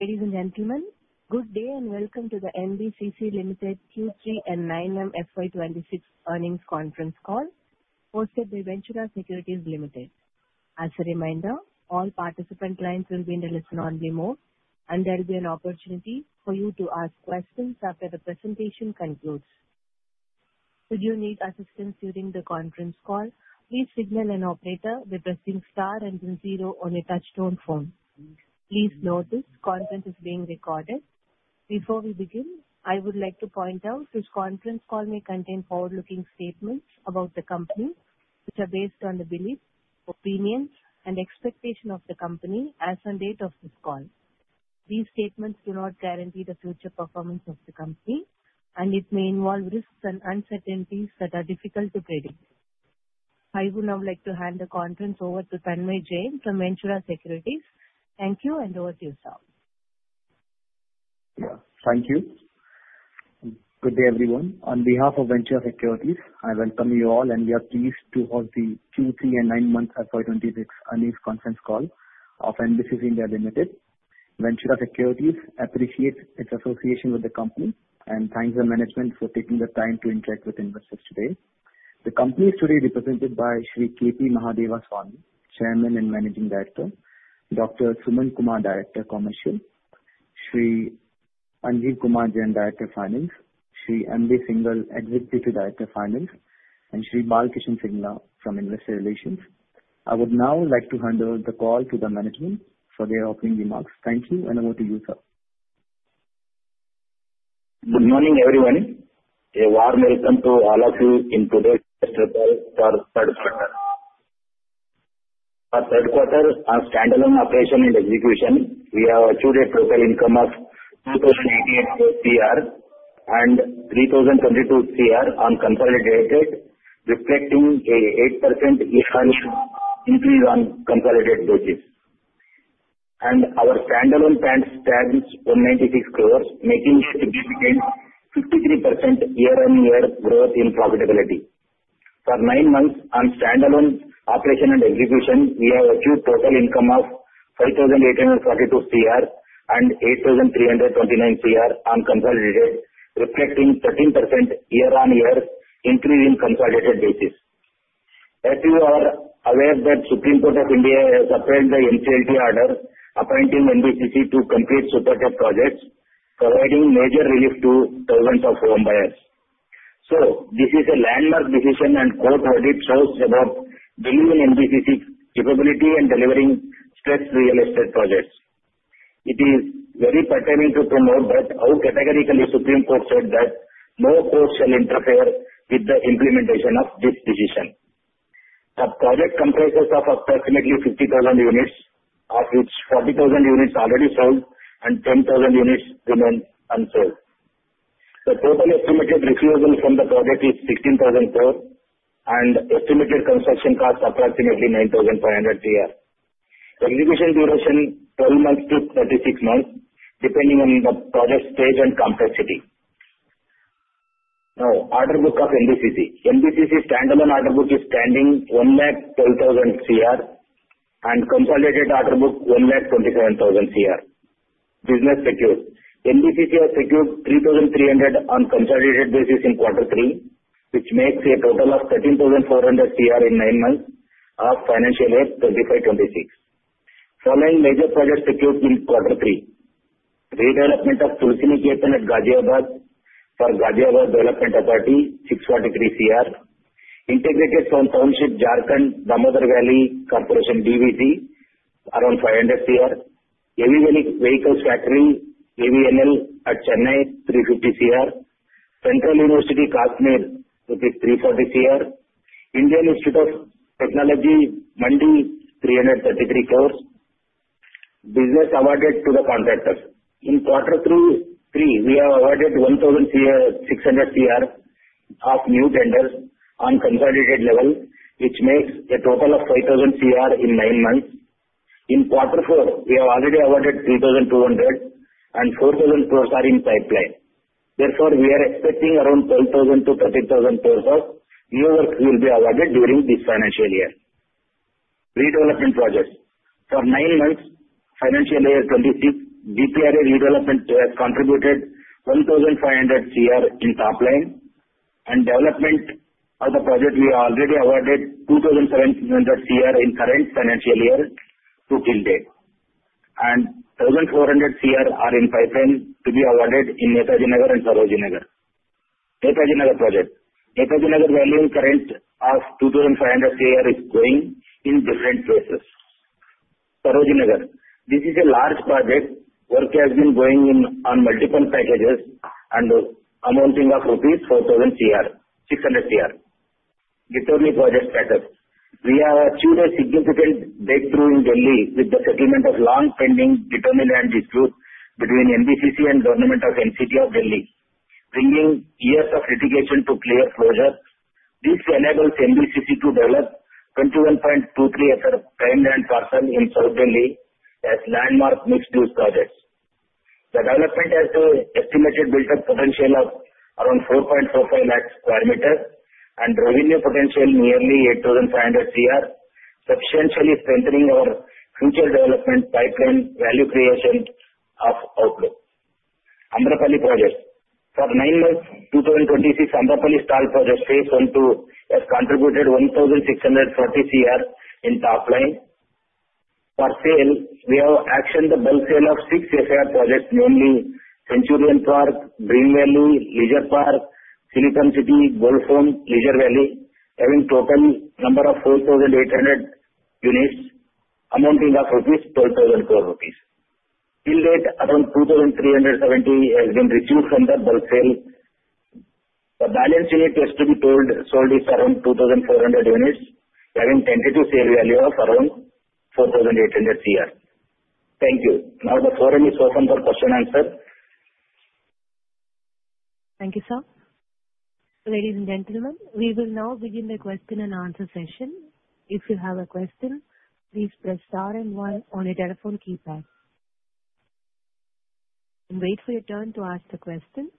Ladies and gentlemen, good day, and welcome to the NBCC Limited Q3 and nine-month FY 2026 earnings conference call hosted by Ventura Securities Limited. As a reminder, all participant lines will be in the listen-only mode, and there will be an opportunity for you to ask questions after the presentation concludes. Should you need assistance during the conference call, please signal an operator by pressing star and then zero on your touchtone phone. Please note this conference is being recorded. Before we begin, I would like to point out this conference call may contain forward-looking statements about the company, which are based on the beliefs, opinions, and expectation of the company as on date of this call. These statements do not guarantee the future performance of the company, and it may involve risks and uncertainties that are difficult to predict. I would now like to hand the conference over to Tanmay Jain from Ventura Securities. Thank you, and over to you, sir. Yeah. Thank you. Good day, everyone. On behalf of Ventura Securities, I welcome you all, and we are pleased to host the Q3 and nine-month FY 2026 earnings conference call of NBCC (India) Limited. Ventura Securities appreciates its association with the company and thanks the management for taking the time to interact with investors today. The company is today represented by Sri K.P. Mahadevaswamy, Chairman and Managing Director. Dr. Suman Kumar, Director, Commercial. Sri Anjeev Kumar Jain, Director, Finance. Sri M.V. Singhal, Executive Director, Finance. And Shri Balkishan Singla from Investor Relations. I would now like to hand over the call to the management for their opening remarks. Thank you, and over to you, sir. Good morning, everyone. A warm welcome to all of you in today's for third quarter. Our third quarter, our standalone operation and execution, we have achieved a total income of 2,088 crore and 3,022 crore on consolidated, reflecting an 8% increase on consolidated basis. Our standalone PAT stands 196 crore, making a significant 53% year-on-year growth in profitability. For nine months, on standalone operation and execution, we have achieved total income of 5,842 crore and 8,329 crore on consolidated, reflecting 13% year-on-year increase on consolidated basis. As you are aware, that Supreme Court of India has upheld the NCLT order, appointing NBCC to complete Supertech projects, providing major relief to thousands of home buyers. So this is a landmark decision, and court verdict shows about believing in NBCC's capability in delivering stressed real estate projects. It is very pertinent to promote that how categorically Supreme Court said that no court shall interfere with the implementation of this decision. The project comprises of approximately 50,000 units, of which 40,000 units already sold and 10,000 units remain unsold. The total estimated receivables from the project is 16,000 crore and estimated construction cost, approximately 9,500 crore. The execution duration, 12-36 months, depending on the project stage and complexity. Now, order book of NBCC. NBCC standalone order book is standing 110,000 crore, and consolidated order book, 127,000 crore. Business secured: NBCC has secured 3,300 crore on consolidated basis in quarter three, which makes a total of 13,400 crore in nine months of financial year 2025-26. Following major projects secured in quarter three: redevelopment of Tulsi Kietan at Ghaziabad for Ghaziabad Development Authority, 643 crore; integrated township, Jharkhand, Damodar Valley Corporation, DVC, around 500 crore; Heavy Vehicles Factory, AVNL at Chennai, 350 crore; Central University, Kashmir, 340 crore; Indian Institute of Technology, Mandi, 333 crore. Business awarded to the contractors. In quarter three, we have awarded 1,600 crore of new tenders on consolidated level, which makes a total of 5,000 crore in nine months. In quarter four, we have already awarded 3,200 crore, and 4,000 crore are in pipeline. Therefore, we are expecting around 12,000 crore - 13,000 crore of new work will be awarded during this financial year. Redevelopment projects. For nine months, financial year 2026, GPRA redevelopment has contributed 1,500 crore in top line, and development of the project, we already awarded 2,700 crore in current financial year to till date, and 1,400 crore are in pipeline to be awarded in Netaji Nagar and Sarojini Nagar. Netaji Nagar project. Netaji Nagar value current of 2,500 crore is going in different phases. Sarojini Nagar. This is a large project. Work has been going in on multiple packages and amounting of rupees 4,000 crore, 600 crore. Determination project status. We have achieved a significant breakthrough in Delhi with the settlement of long-pending determination disputes between NBCC and Government of NCT of Delhi, bringing years of litigation to clear closure. This enables NBCC to develop 21.23-acre prime land parcel in South Delhi as landmark mixed-use projects. The development has the estimated built-up potential of around 4.45 lakh sq m and revenue potential nearly 8,500 crore, substantially strengthening our future development pipeline value creation of outlook. Amrapali project. For nine months, 2026, Amrapali stalled project phase one, two has contributed 1,640 crore in top line. For sale, we have actioned the bulk sale of six SFR projects, namely Centurion Park, Green Valley, Leisure Park, Silicon City, Golf Home, Leisure Valley, having total number of 4,800 units amounting to 12,400 crore rupees. Till date, around 2,370 has been retrieved from the bulk sale. The balance units to be sold is around 2,400 units, having tentative sale value of around 4,800 crore. Thank you. Now the floor is open for question and answer. Thank you, sir. Ladies and gentlemen, we will now begin the question and answer session. If you have a question, please press star and one on your telephone keypad. Wait for your turn to ask the question.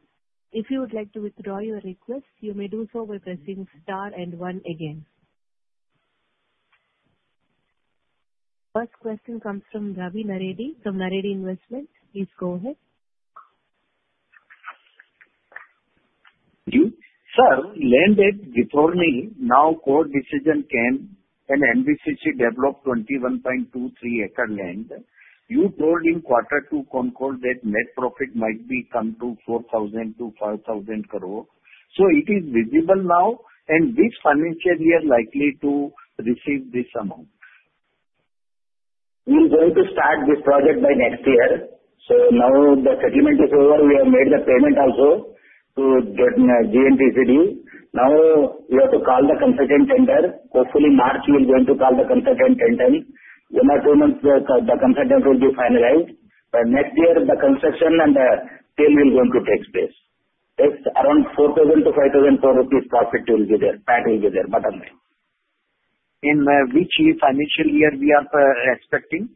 If you would like to withdraw your request, you may do so by pressing star and one again. First question comes from Ravi Naredi, from Naredi Investments. Please go ahead. Thank you. Sir, landed Ghitorni, now court decision came and NBCC developed 21.23 acre land. You told in quarter two concall that net profit might be come to 4,000-5,000 crore. So it is visible now, and which financial year likely to receive this amount? We are going to start this project by next year. So now the settlement is over. We have made the payment also to the DNTCD. Now, we have to call the consultant tender. Hopefully, March, we are going to call the consultant tender. One or two months, the consultant will be finalized, but next year the construction and the sale is going to take place. It's around 4,000-5,400 rupee profit will be there, PAT will be there, bottom line. In which year financial year we are expecting?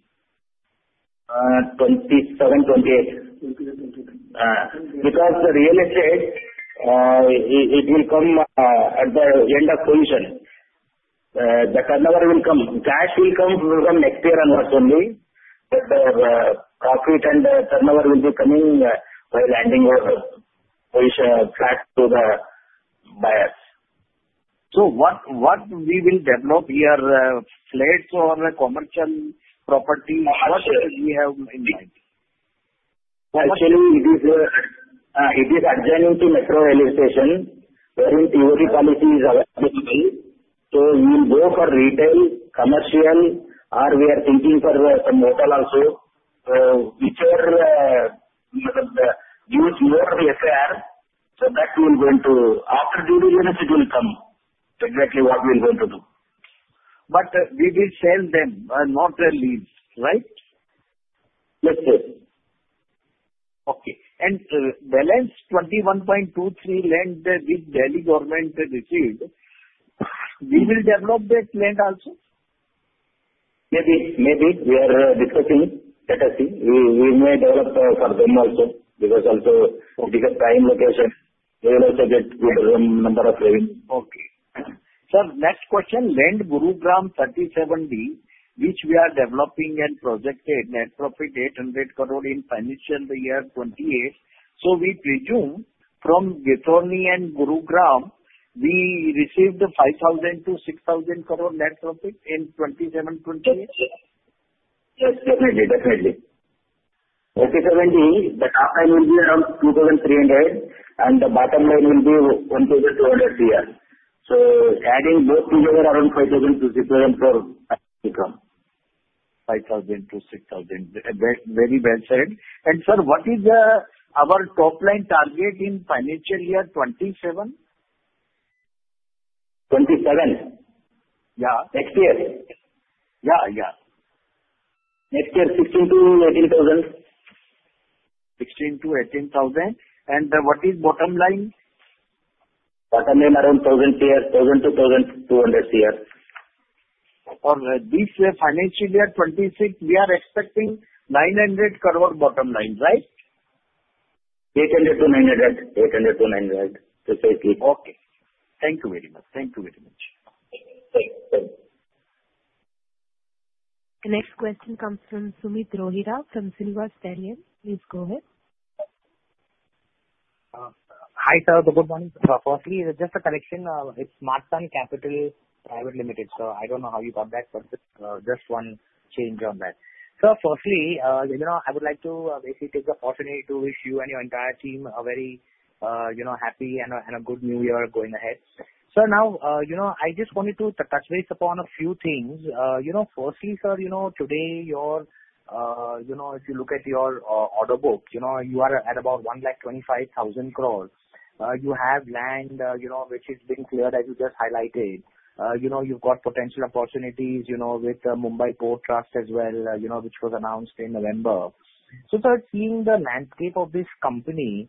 27, 28. Because the real estate, it, it will come at the end of fruition. The turnover will come, cash will come, will come next year and not only, but the profit and the turnover will be coming by landing or which flat to the buyers. So what will we develop here, flats or a commercial property? What we have in mind? Actually, it is adjacent to metro railway station, where quality is available. We will go for retail, commercial, or we are thinking for some hotel also. Which are use more acre, so that will going to... After due diligence, it will come exactly what we are going to do. But we will sell them, not the lease, right? Yes, sir. Okay. Balance 21.23 land that this Delhi government received, we will develop this land also? Maybe, maybe. We are discussing. Let us see. We may develop for them also, because also it is a prime location. We will also get good number of revenue. Okay. Sir, next question. Land Gurugram 37D, which we are developing and projected net profit 800 crore in financial year 2028. So we presume from Ghitorni and Gurugram, we received 5,000-6,000 crore net profit in 2027, 2028? Yes, definitely, definitely. Okay, seventy, the top line will be around 2,300 crore, and the bottom line will be 1,200 CR. So adding both together, around 5,000-6,000 crore become. 5,000-6,000. Very well said. And sir, what is our top line target in financial year 2027? Twenty-seven? Yeah. Next year? Yeah, yeah. Next year, 16,000-18,000. 16,000-18,000. What is bottom line? Bottom line around 1,000 crore, 1,000 crore-1,200 crore. For this financial year 2026, we are expecting 900 crore bottom line, right? 800-900. 800-900. Okay. Thank you very much. Thank you very much. Thank you. The next question comes from Sumit Rohira, from Silva Stallion. Please go ahead. Hi, sir. Good morning. Firstly, just a correction, it's Martin Capital Private Limited, so I don't know how you got that, but just one change on that. Sir, firstly, you know, I would like to basically take the opportunity to wish you and your entire team a very, you know, happy and a good new year going ahead. Sir, now, you know, I just wanted to touch base upon a few things. You know, firstly, sir, you know, today your, you know, if you look at your order book, you know, you are at about 125,000 crore. You have land, you know, which is being cleared, as you just highlighted. You know, you've got potential opportunities, you know, with the Mumbai Port Trust as well, you know, which was announced in November. So sir, seeing the landscape of this company,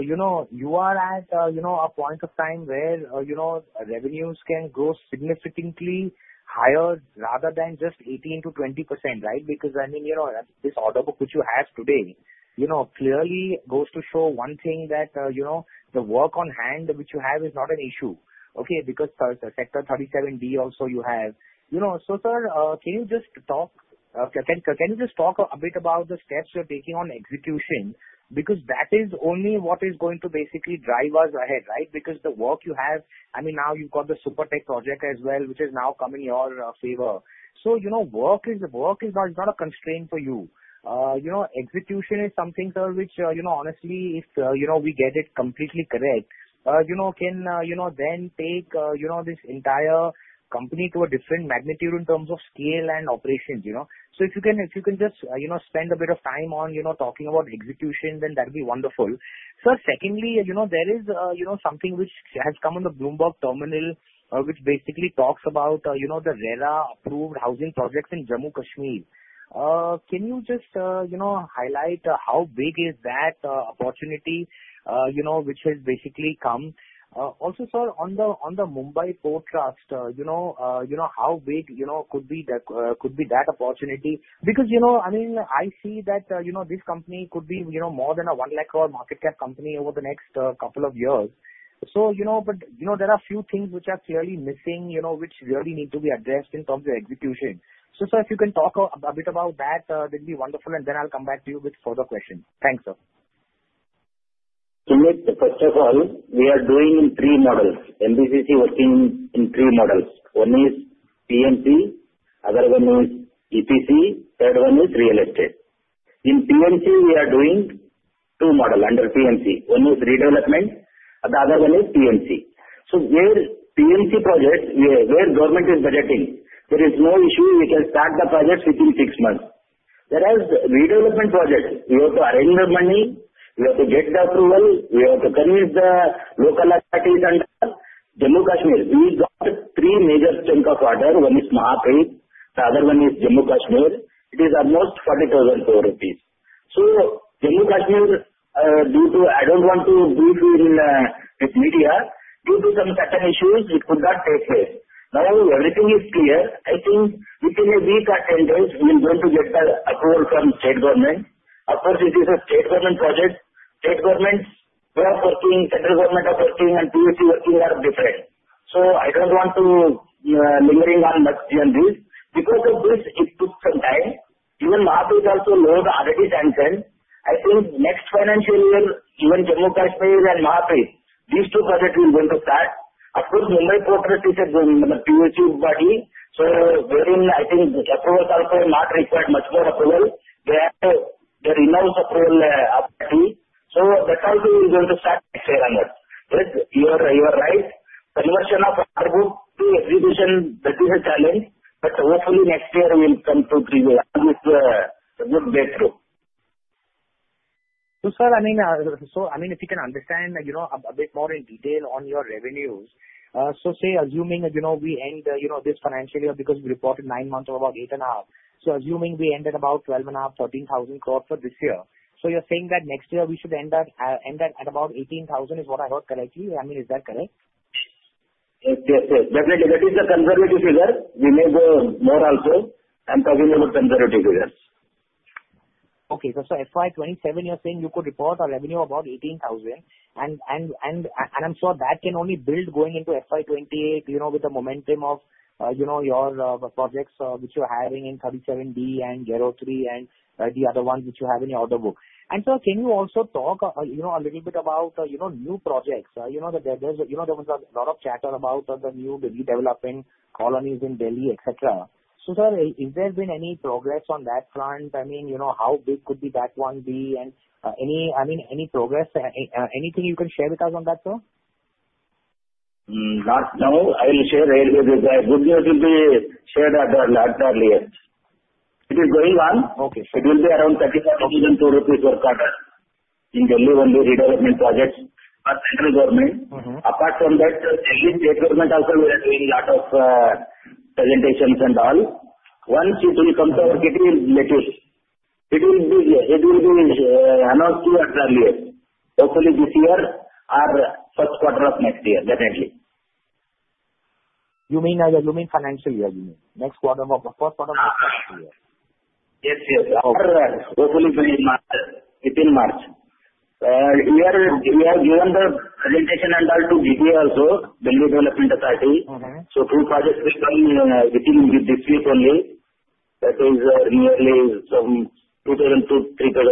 you know, you are at, you know, a point of time where, you know, revenues can grow significantly higher rather than just 18%-20%, right? Because, I mean, you know, this order book, which you have today, you know, clearly goes to show one thing that, you know, the work on hand which you have is not an issue. Okay, because, sir, Sector 37D also you have. You know, so, sir, can you just talk, can, can you just talk a bit about the steps you're taking on execution? Because that is only what is going to basically drive us ahead, right? Because the work you have, I mean, now you've got the Supertech project as well, which is now come in your favor. So, you know, work is, work is not, is not a constraint for you. You know, execution is something, sir, which, you know, honestly, if, you know, we get it completely correct, you know, can, you know, then take, you know, this entire company to a different magnitude in terms of scale and operations, you know? So if you can, if you can just, you know, spend a bit of time on, you know, talking about execution, then that'd be wonderful. Sir, secondly, you know, there is, you know, something which has come on the Bloomberg terminal, which basically talks about, you know, the RERA-approved housing projects in Jammu and Kashmir. Can you just, you know, highlight how big is that opportunity, you know, which has basically come? Also, sir, on the Mumbai Port Trust, you know, how big could be that, could be that opportunity? Because, you know, I mean, I see that, you know, this company could be, you know, more than a 100,000 crore market cap company over the next couple of years. So, you know, but, you know, there are few things which are clearly missing, you know, which really need to be addressed in terms of execution. So sir, if you can talk a bit about that, that'd be wonderful, and then I'll come back to you with further questions. Thanks, sir. Sumit, first of all, we are doing in three models. NBCC working in three models. One is PMC, other one is EPC, third one is real estate. In PMC, we are doing two model under PMC. One is redevelopment, and the other one is PMC. So where PMC projects, where, where government is budgeting, there is no issue, we can start the projects within six months. Whereas redevelopment projects, we have to arrange the money, we have to get the approval, we have to convince the local authorities and Jammu and Kashmir. We've got three major chunks of work. One is Mahape, the other one is Jammu and Kashmir. It is almost 40,000 crore rupees. So Jammu and Kashmir, due to I don't want to brief in with media. Due to some certain issues, it could not take place. Now everything is clear. I think within a week or 10 days, we are going to get the approval from state government. Of course, it is a state government project. State governments' way of working, central government's way of working, and PSU working are different. So I don't want to lingering on much on this. Because of this, it took some time. Even Mahape is also slow, already sanctioned. I think next financial year, even Jammu and Kashmir and Mahape, these two projects we're going to start. Of course, Mumbai Port Trust is a PSU body, so they're in, I think this approval also not required much more approval. They have their in-house approval authority. So that also we're going to start next year on that. But you are, you are right, conversion of order book to execution, that is a challenge, but hopefully next year we will come to give a good breakthrough. So sir, I mean, so I mean, if you can understand, you know, a bit more in detail on your revenues. So say, assuming, you know, we end this financial year because we reported 9 months of about 8,500 crore. So assuming we end at about 12,500 crore-13,000 crore for this year. So you're saying that next year we should end at about 18,000 crore, is what I heard correctly? I mean, is that correct? Yes, yes, yes. That is, that is the conservative figure. We may go more also. I'm talking about conservative figures. Okay. So FY 2027, you're saying you could report a revenue of about 18,000 crore, and I'm sure that can only build going into FY 2028, you know, with the momentum of, you know, your projects, which you're having in 37D and Yarrow 3, and the other ones which you have in your order book. And sir, can you also talk, you know, a little bit about, you know, new projects? You know, that there, there's, you know, there was a lot of chatter about the new redeveloping colonies in Delhi, et cetera. So sir, is there been any progress on that front? I mean, you know, how big could be that one be, and, any, I mean, any progress, anything you can share with us on that, sir? Not now. I will share with you. Good news will be shared at a later year. It is going on. Okay. It will be around 34,004 rupees work order in Delhi on the redevelopment projects for Central Government. Mm-hmm. Apart from that, Delhi state government also, we are doing lot of, presentations and all. Once it will come through, it will latest. It will be, it will be, announced to you at earlier. Hopefully this year or first quarter of next year, definitely. You mean, you mean financial year, you mean? Next quarter of first quarter of next year. Yes, yes. Okay. Hopefully within March, within March. We are, we have given the presentation and all to DDA also, Delhi Development Authority. Mm-hmm. So two projects within this week only. That is, nearly 2,000-3,000 crore.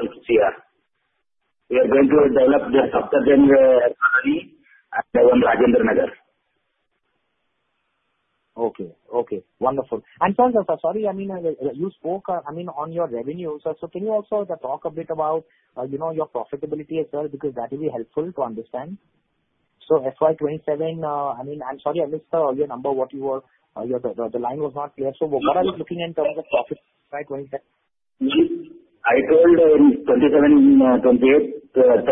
We are going to develop just after then, and one Rajinder Nagar. Okay, okay. Wonderful. And sir, sir, sorry, I mean, you spoke, I mean, on your revenue. So, so can you also just talk a bit about, you know, your profitability as well? Because that will be helpful to understand. So FY 27, I mean, I'm sorry, I missed your number, what you were... Your, the, the line was not clear. So what I was looking in terms of profits, FY 27? I told you 28,000-2,200.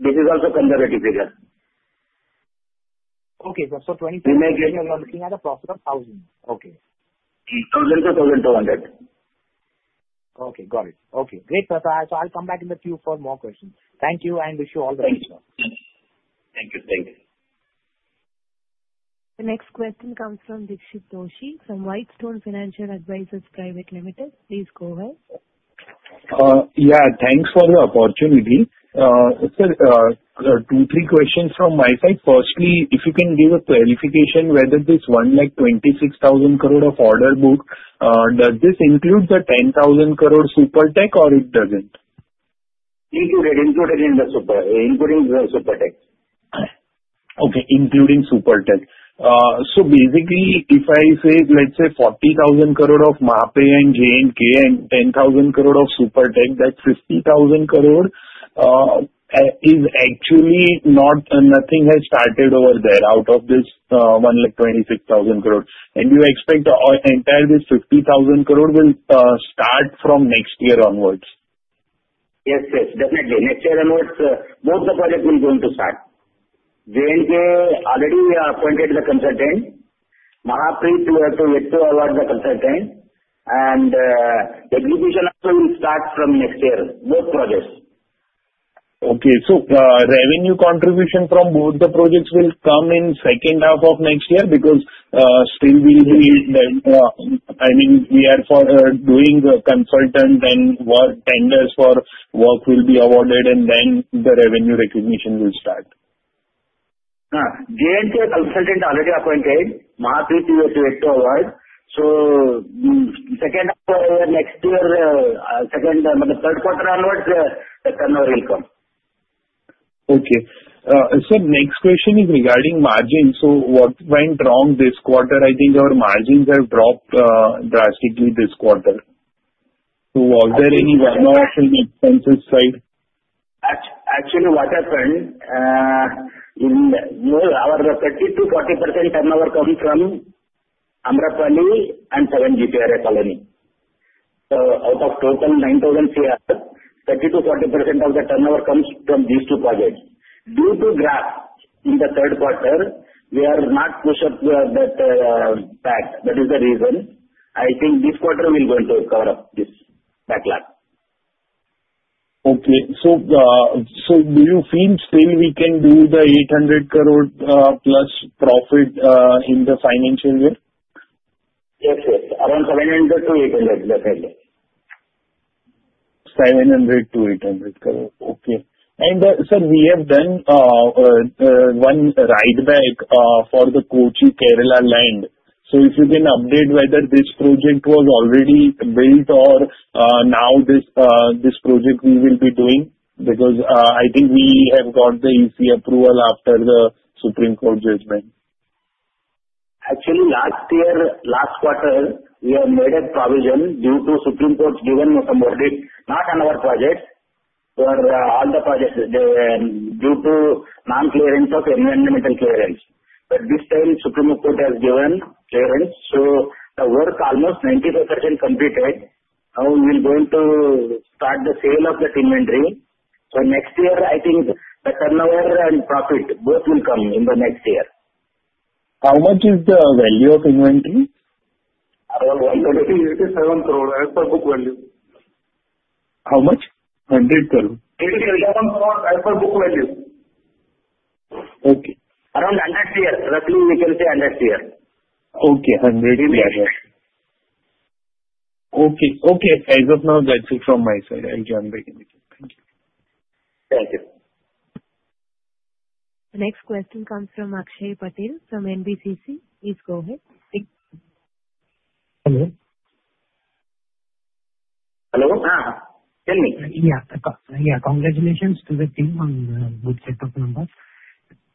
This is also conservative figure. Okay, so 22, then you are looking at a profit of 1,000. Okay. Mm-hmm. 1,000-1,200. Okay, got it. Okay, great, sir. So I'll come back in the queue for more questions. Thank you, and wish you all the best, sir. Thank you. Thank you. The next question comes from Dixit Doshi, from Whitestone Financial Advisors Private Limited. Please go ahead. Yeah, thanks for the opportunity. Sir, two, three questions from my side. Firstly, if you can give a clarification whether this one like 26,000 crore of order book does this include the 10,000 crore Supertech, or it doesn't? Included in the Supertech. Okay, including Supertech. So basically, if I say, let's say 40,000 crore of Mahape and JNK and 10,000 crore of Supertech, that's 50,000 crore, is actually not... Nothing has started over there out of this 126,000 crore. And you expect the entire this 50,000 crore will start from next year onwards? Yes, yes, definitely. Next year onwards, both the project we're going to start. JNK, already we have appointed the consultant. Mahape, we have yet to award the consultant. And, execution also will start from next year, both projects. Okay. So, revenue contribution from both the projects will come in second half of next year because, still we need the, I mean, we are for doing the consultant, then work tenders for work will be awarded, and then the revenue recognition will start. JNK consultant already appointed. Mahape, we have yet to award. So, second half of next year, second, I mean, third quarter onwards, the turnover will come. Okay. Sir, next question is regarding margins. So what went wrong this quarter? I think our margins have dropped drastically this quarter. So was there any one-off on expenses side? Actually, what happened, in our 30%-40% turnover coming from Amrapali and seven GPRA colonies. So out of total 9,000 crore, 30%-40% of the turnover comes from these two projects. Due to draft in the third quarter, we are not pushed up the, that, pace. That is the reason. I think this quarter we're going to cover up this backlog. Okay. So, do you feel still we can do the 800 crore plus profit in the financial year? Yes, yes. Around 700-800, definitely. 700-800 crore. Okay. And, sir, we have done one right back for the Kochi, Kerala land. So if you can update whether this project was already built or now this project we will be doing, because I think we have got the EC approval after the Supreme Court judgment. Actually, last year, last quarter, we have made a provision due to Supreme Court's given a verdict, not on our project, for all the projects. They due to non-clearance of environmental clearance. But this time, Supreme Court has given clearance, so the work almost 90% completed. Now we're going to start the sale of that inventory. So next year, I think the turnover and profit, both will come in the next year. How much is the value of inventory? Around INR 187 crore, as per book value. How much? INR 100 crore. 87 crore, as per book value. Okay. Around INR 100 crore, roughly we can say INR 100 crore. Okay, INR 100 crore. Maybe. Okay. Okay, as of now, that's it from my side. I'll join back in. Thank you. Thank you. The next question comes from Akshay Patel, from NBCC. Please go ahead. Hello? Hello. Tell me. Yeah. Yeah, congratulations to the team on the good set of numbers.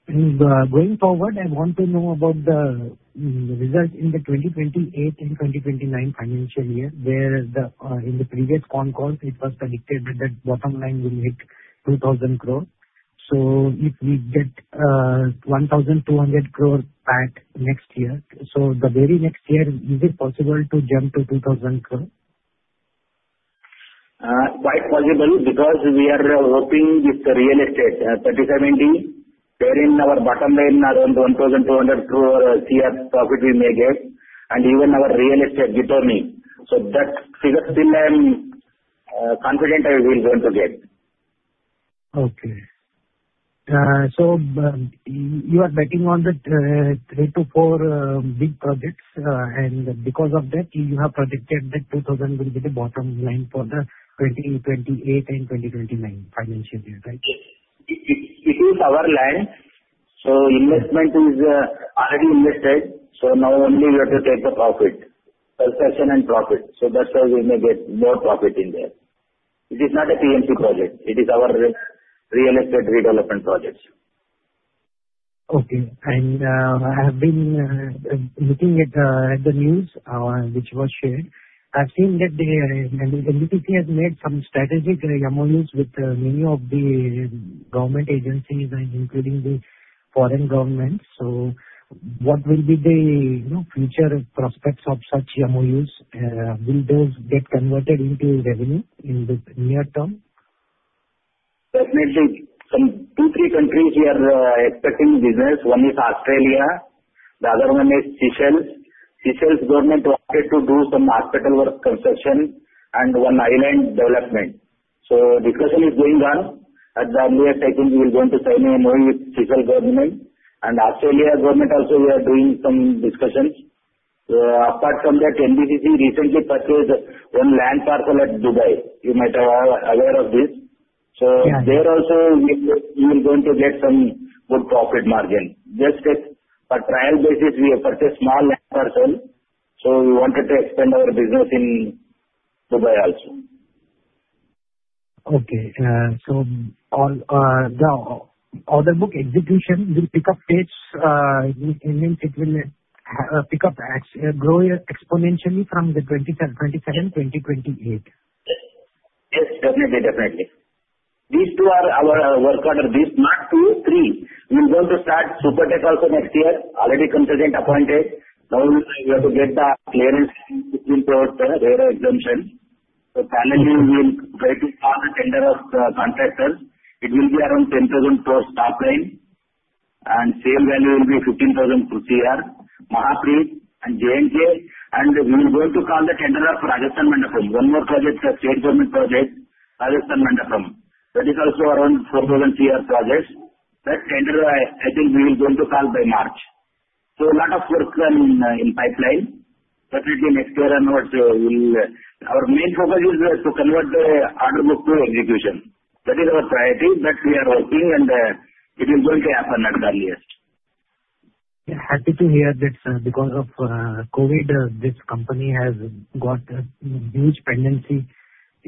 Going forward, I want to know about the results in the 2028 and 2029 financial year, where in the previous con call, it was predicted that the bottom line will hit 2,000 crore. So if we get 1,200 crore next year, so the very next year, is it possible to jump to 2,000 crore? Quite possible, because we are hoping with the real estate 37D there in our bottom line, around 1,200 crore profit we may get, and even our real estate, Ghitorni. So that figure still I'm confident I will going to get. Okay. So, you are betting on the 3-4 big projects, and because of that, you have predicted that 2,000 will be the bottom line for the 2028 and 2029 financial year, right? Yes. It is our land, so investment is already invested. So now only we have to take the profit, construction and profit. So that's why we may get more profit in there. It is not a PMC project. It is our real estate redevelopment projects. Okay. And, I have been looking at, at the news, which was shared. I've seen that the NBCC has made some strategic MOUs with many of the government agencies and including the foreign governments. So what will be the, you know, future prospects of such MOUs? Will those get converted into revenue in the near term? ... Definitely, some 2, 3 countries we are expecting business. One is Australia, the other one is Seychelles. Seychelles government wanted to do some hospital work construction and one island development. So discussion is going on, at the earliest, I think we are going to sign a MOU with Seychelles government. And Australia government also, we are doing some discussions. So apart from that, NBCC recently purchased one land parcel at Dubai. You might have aware of this. So- Yeah. There also we are going to get some good profit margin. Just as a trial basis, we have purchased small land parcel, so we wanted to expand our business in Dubai also. Okay, so on the order book execution, will pick up pace, you think it will pick up as grow exponentially from 2027, 2028? Yes. Yes, definitely, definitely. These two are our work order. These not two, three. We're going to start Supertech also next year. Already consultant appointed. Now we, we have to get the clearance, it will cover the rail exemption. So finally, we will try to call the tender of, contractors. It will be around 10,000 crore top line, and same value will be 15,000 crore, Mahape and JNK. And we are going to call the tender for Rajasthan Mandapam. One more project, a state government project, Rajasthan Mandapam. That is also around 4,000 crore projects. That tender, I, I think we are going to call by March. So a lot of work are in, in pipeline, especially next year and what, we'll... Our main focus is to convert the order book to execution. That is our priority, but we are working and it is going to happen at the earliest. Yeah, happy to hear this, because of COVID, this company has got a huge pendency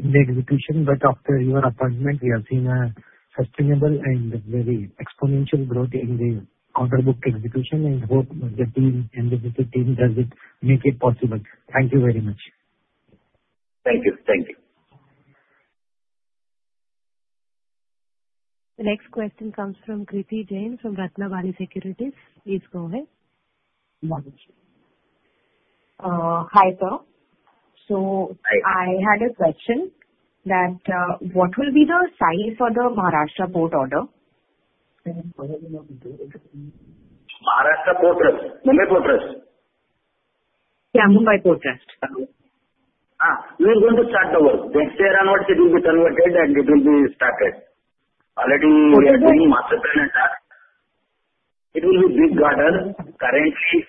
in the execution, but after your appointment, we have seen a sustainable and very exponential growth in the order book execution and hope the team, NBCC team, does it make it possible. Thank you very much. Thank you. Thank you. The next question comes from Kriti Jain, from Ratnabali Securities. Please go ahead. Hi, sir. So I had a question that, what will be the size for the Maharashtra port order? Maharashtra Port Trust, Mumbai Port Trust? Yeah, Mumbai Port Trust. Ah, we are going to start the work. Next year or what, it will be converted and it will be started. Already we are doing master plan and all. It will be big order. Currently,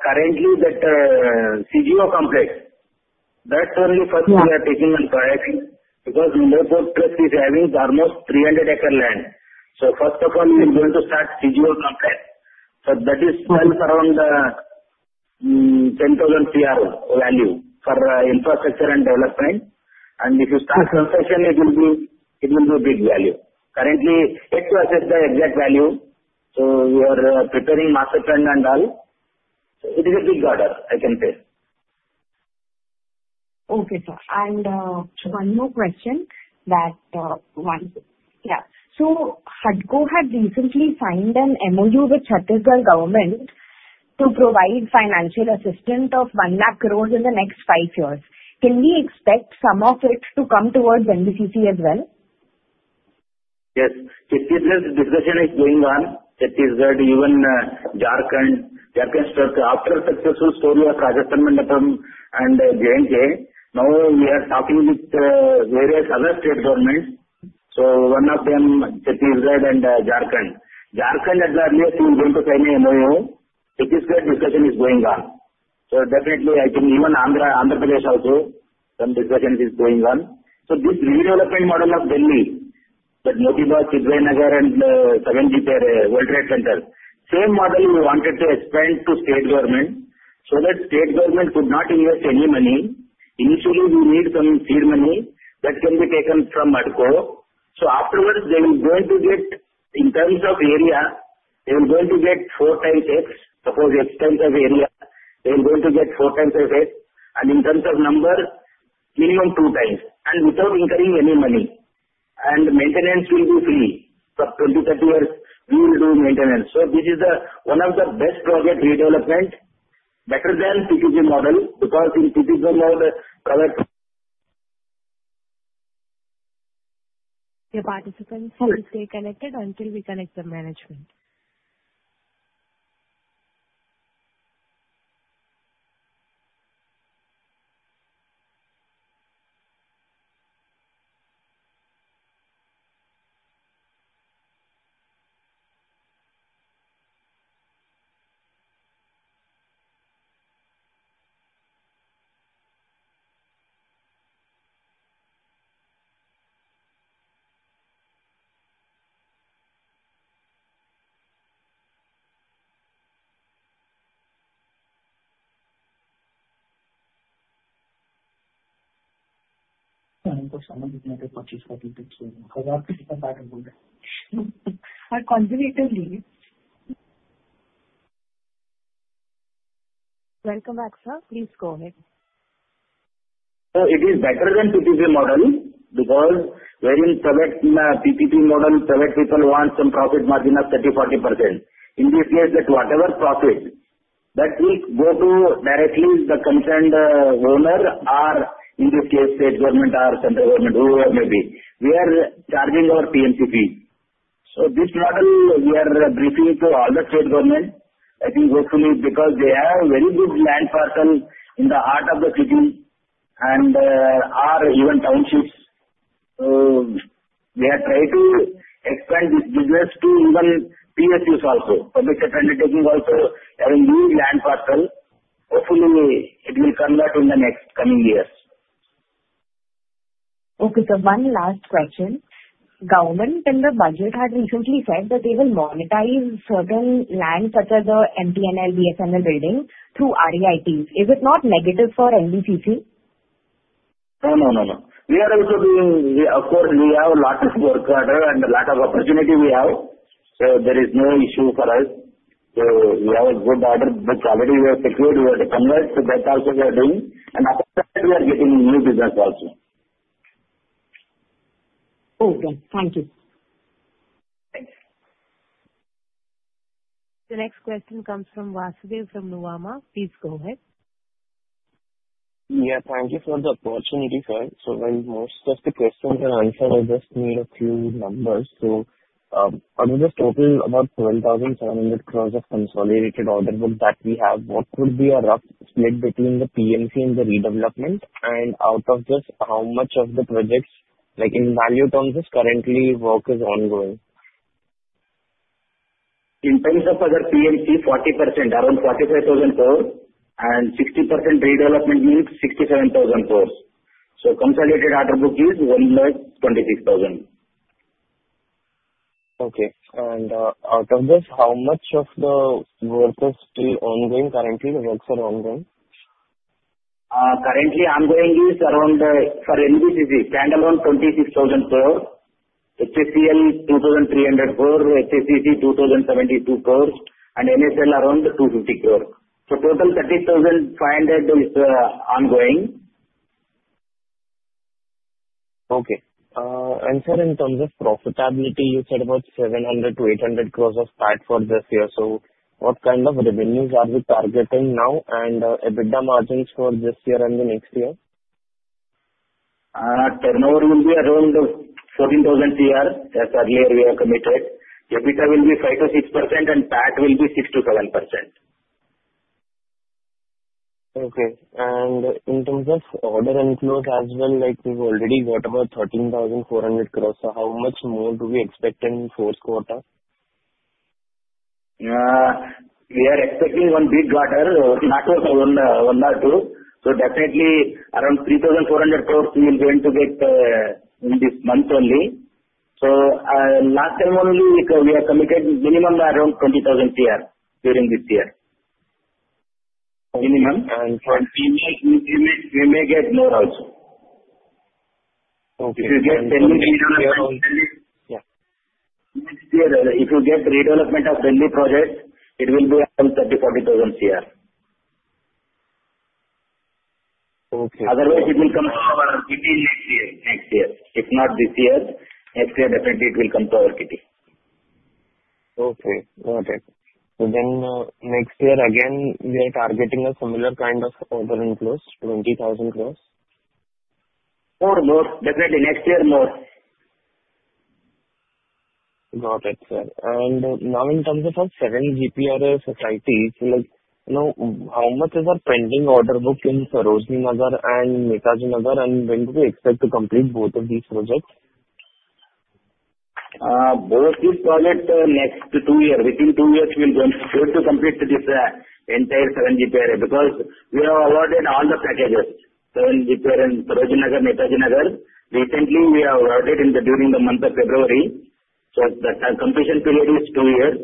currently that, CGO Complex, that's only first- Yeah. We are taking on priority, because Mumbai Port Trust is having almost 300-acre land. So first of all, we are going to start CGO Complex. So that is around 10,000 crore value for infrastructure and development. And if you start construction, it will be, it will be a big value. Currently, yet to assess the exact value, so we are preparing master plan and all. So it is a big order, I can say. Okay, sir, and one more question. Yeah. So HUDCO had recently signed an MOU with Chhattisgarh government to provide financial assistance of 100,000 crore in the next five years. Can we expect some of it to come towards NBCC as well? Yes. Chhattisgarh discussion is going on. Chhattisgarh, even, Jharkhand, Jharkhand after successful story of Rajasthan Mandapam and JNK, now we are talking with various other state governments. So one of them, Chhattisgarh and Jharkhand. Jharkhand at the earliest, we are going to sign a MOU. Chhattisgarh discussion is going on. So definitely, I think even Andhra, Andhra Pradesh also, some discussion is going on. So this redevelopment model of Delhi, that Motibagh, Tilak Nagar, and Safdarjung World Trade Center, same model we wanted to expand to state government so that state government could not invest any money. Initially, we need some seed money that can be taken from HUDCO. So afterwards, they are going to get, in terms of area, they are going to get four times X. Suppose X times of area, they are going to get 4 times of X, and in terms of number, minimum 2 times, and without incurring any money. Maintenance will be free. For 20, 30 years, we will do maintenance. So this is the, one of the best project redevelopment, better than PPP model, because in PPP model, private- The participant, please stay connected until we connect the management. Welcome back, sir, please go ahead. So it is better than PPP model because when you select PPP model, private people want some profit margin of 30-40%. In this case, it's whatever profit that we go to directly the concerned owner, or in this case, state government or central government, whoever it may be. We are charging our PMC fee. So this model we are briefing to all the state government, I think hopefully because they have very good land parcel in the heart of the city and or even townships. So we are trying to expand this business to even PSUs also. Public undertaking also having new land parcel. Hopefully, it will come out in the next coming years. Okay, sir, one last question. Government, in the budget, had recently said that they will monetize certain land, such as the MTNL, BSNL building through REITs. Is it not negative for NBCC? No, no, no, no. We are also doing. We, of course, we have a lot of work order and a lot of opportunity we have, so there is no issue for us. So we have a good order, which already we have secured, we have to convert. So that also we are doing, and after that we are getting new business also. Okay, thank you. Thanks. The next question comes from Vasudev from Nuvama. Please go ahead. Yeah, thank you for the opportunity, sir. So when most of the questions were answered, I just need a few numbers. So, out of this total, about 12,700 crore of consolidated order book that we have, what would be a rough split between the PMC and the redevelopment? And out of this, how much of the projects, like in value terms, is currently work is ongoing? In terms of other PMC, 40%, around 45,000 crore, and 60% redevelopment means 67,000 crore. So consolidated order book is 1,26,000 crore. Okay. And, out of this, how much of the work is still ongoing? Currently, the works are ongoing. Currently ongoing is around INR 26,000 crore for NBCC standalone. HSCL, 2,300 crore. HSCC, 2,072 crore, and NSL around 250 crore. So total 30,500 is ongoing. Okay. Sir, in terms of profitability, you said about 700 crore-800 crore of PAT for this year. So what kind of revenues are we targeting now and EBITDA margins for this year and the next year? Turnover will be around 14,000 crore, as earlier we have committed. EBITDA will be 5%-6% and PAT will be 6%-7%. Okay. And in terms of order inflows as well, like we've already got about 13,400 crore, so how much more do we expect in fourth quarter? We are expecting one big order, not one, one or two. So definitely around 3,400 crore we are going to get, in this month only. So, last time only we, we are committed minimum around 20,000 crore during this year. Minimum? We may get more also. Okay. If you get- Yeah. If you get redevelopment of Delhi project, it will be around 30,000-40,000 crore. Okay. Otherwise, it will come over between next year. Next year. If not this year, next year definitely it will come to our kitty. Okay, got it. So then, next year again, we are targeting a similar kind of order inflows, 20,000 crore? Or more. Definitely next year, more. Got it, sir. Now in terms of our seven GPRA societies, like, you know, how much is our pending order book in Sarojini Nagar and Netaji Nagar, and when do we expect to complete both of these projects? Both these projects, next 2 years. Within 2 years, we are going to complete this entire seven GPRAs because we have awarded all the packages, seven GPRAs in Sarojini Nagar, Netaji Nagar. Recently, we have awarded in the, during the month of February, so the completion period is 2 years.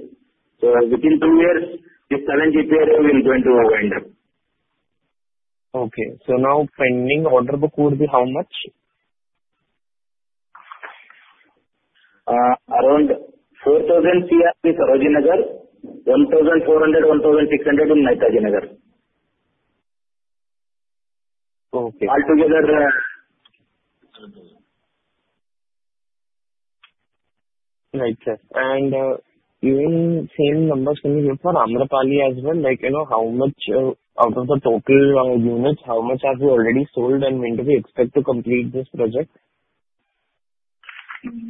So within 2 years, this seven GPRAs will going to wind up. Okay, so now pending order book would be how much? Around INR 4,000 CR in Sarojini Nagar. 1,400-1,600 CR in Netaji Nagar. Okay. Altogether, uh... Right, sir. And, even same numbers can you give for Amrapali as well? Like, you know, how much, out of the total, units, how much have you already sold, and when do we expect to complete this project?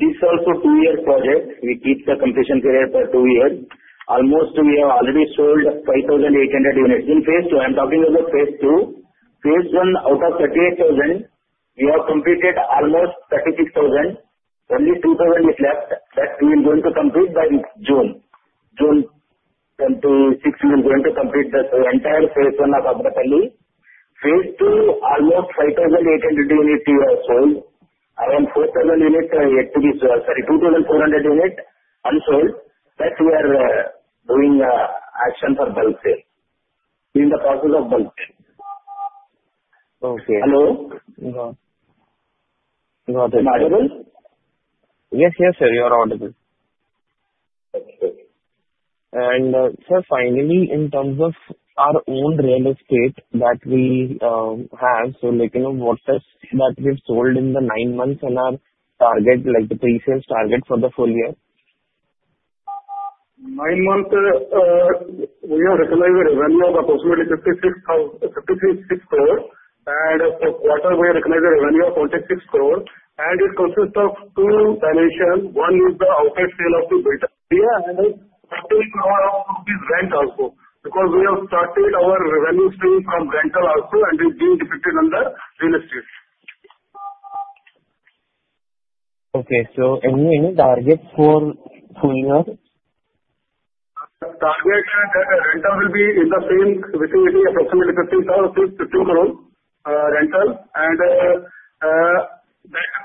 This also two-year project. We keep the completion period for two years. Almost we have already sold 5,800 units in phase two. I'm talking about the phase two. Phase one, out of 38,000, we have completed almost 36,000. Only 2,000 is left, that we are going to complete by next June. June 10-16, we are going to complete the entire phase one of Amrapali. Phase two, almost 5,800 unit we have sold. Around 4,000 unit, yet to be... Sorry, 2,400 unit unsold, but we are, doing, action for bulk sale. In the process of bulk. Okay. Hello? Got it. Audible? Yes, yes, sir, you are audible. Okay. Sir, finally, in terms of our own real estate that we have, so like, you know, what is that we've sold in the nine months and our target, like the pre-sales target for the full year?... Nine months, we have recognized a revenue of approximately INR 56 crore, and for the quarter we recognized a revenue of 46 crore. It consists of two dimensions. One is the outside sale of the builder. We are having 54 rupees rent also, because we have started our revenue stream from rental also, and it is being depicted under real estate. Okay, so any targets for full year? Target rental will be in the same, between, between approximately 15,000-52 crore rental. And that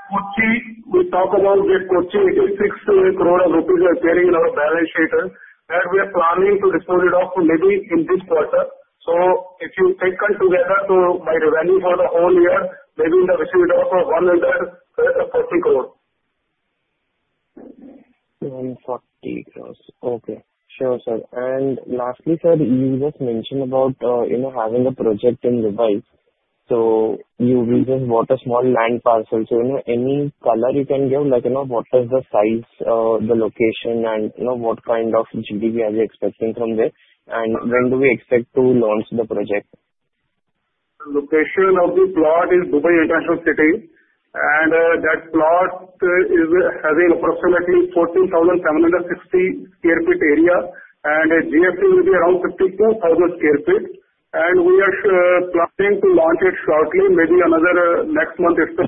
Kochi, we talk about that Kochi, it is 60 crore rupees appearing in our balance sheet, and we are planning to restore it off maybe in this quarter. So if you taken together to my revenue for the whole year, maybe it will receive around 140 crore. 140 crore. Okay, sure, sir. And lastly, sir, you just mentioned about, you know, having a project in Dubai. So you recently bought a small land parcel. So you know, any color you can give, like you know, what is the size, the location and, you know, what kind of GDV are we expecting from there, and when do we expect to launch the project? Location of the plot is Dubai International City, and that plot is having approximately 14,760 sq ft area, and GFT will be around 52,000 sq ft. We are planning to launch it shortly, maybe another next month or so.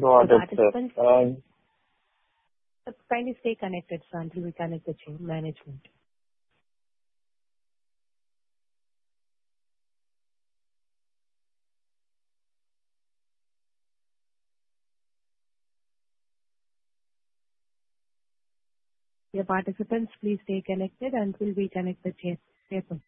Got it, sir. Kindly stay connected, sir, until we connect with you management. Dear participants, please stay connected until we connect the chair. Chair, please.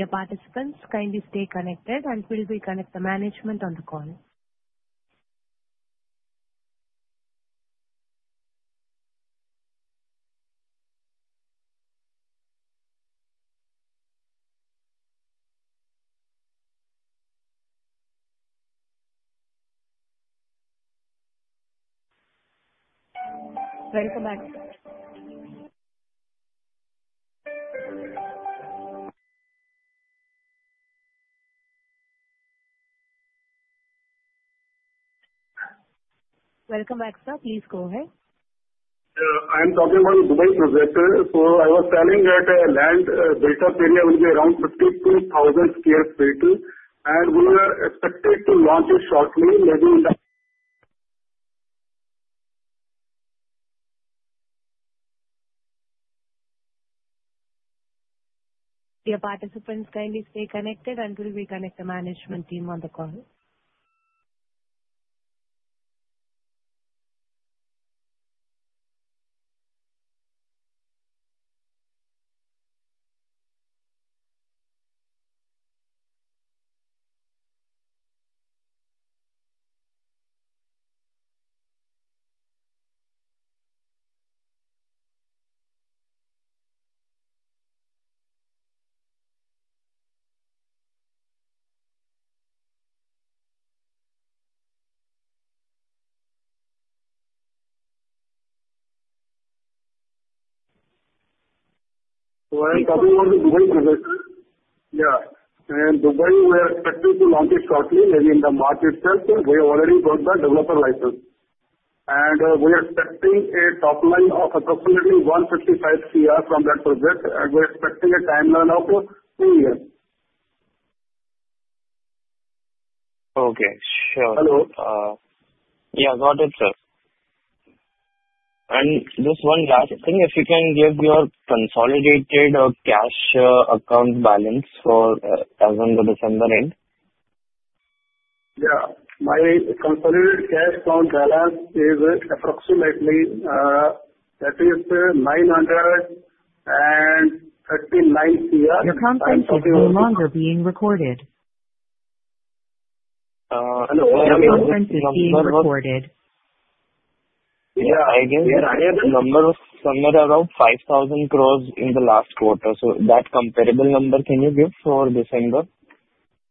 Dear participants, kindly stay connected, and we will connect the management on the call. Welcome back. Welcome back, sir. Please go ahead. I am talking about Dubai project. So I was telling that, land built-up area will be around 52,000 sq ft, and we are expected to launch it shortly, maybe in the- Dear participants, kindly stay connected until we connect the management team on the call. While talking about the Dubai project, yeah, in Dubai, we are expecting to launch it shortly, maybe in the March itself. We have already got the developer license. And we are expecting a top line of approximately 155 crore from that project, and we are expecting a timeline of two years. Okay, sure. Hello? Yeah, got it, sir. And just one last thing, if you can give your consolidated cash account balance for as on the December end. Yeah. My consolidated cash account balance is approximately, that is 939 crore. Your conference is no longer being recorded. Uh, hello- Your conference is being recorded. Yeah, I guess the number was somewhere around 5,000 crore in the last quarter. So that comparable number can you give for December?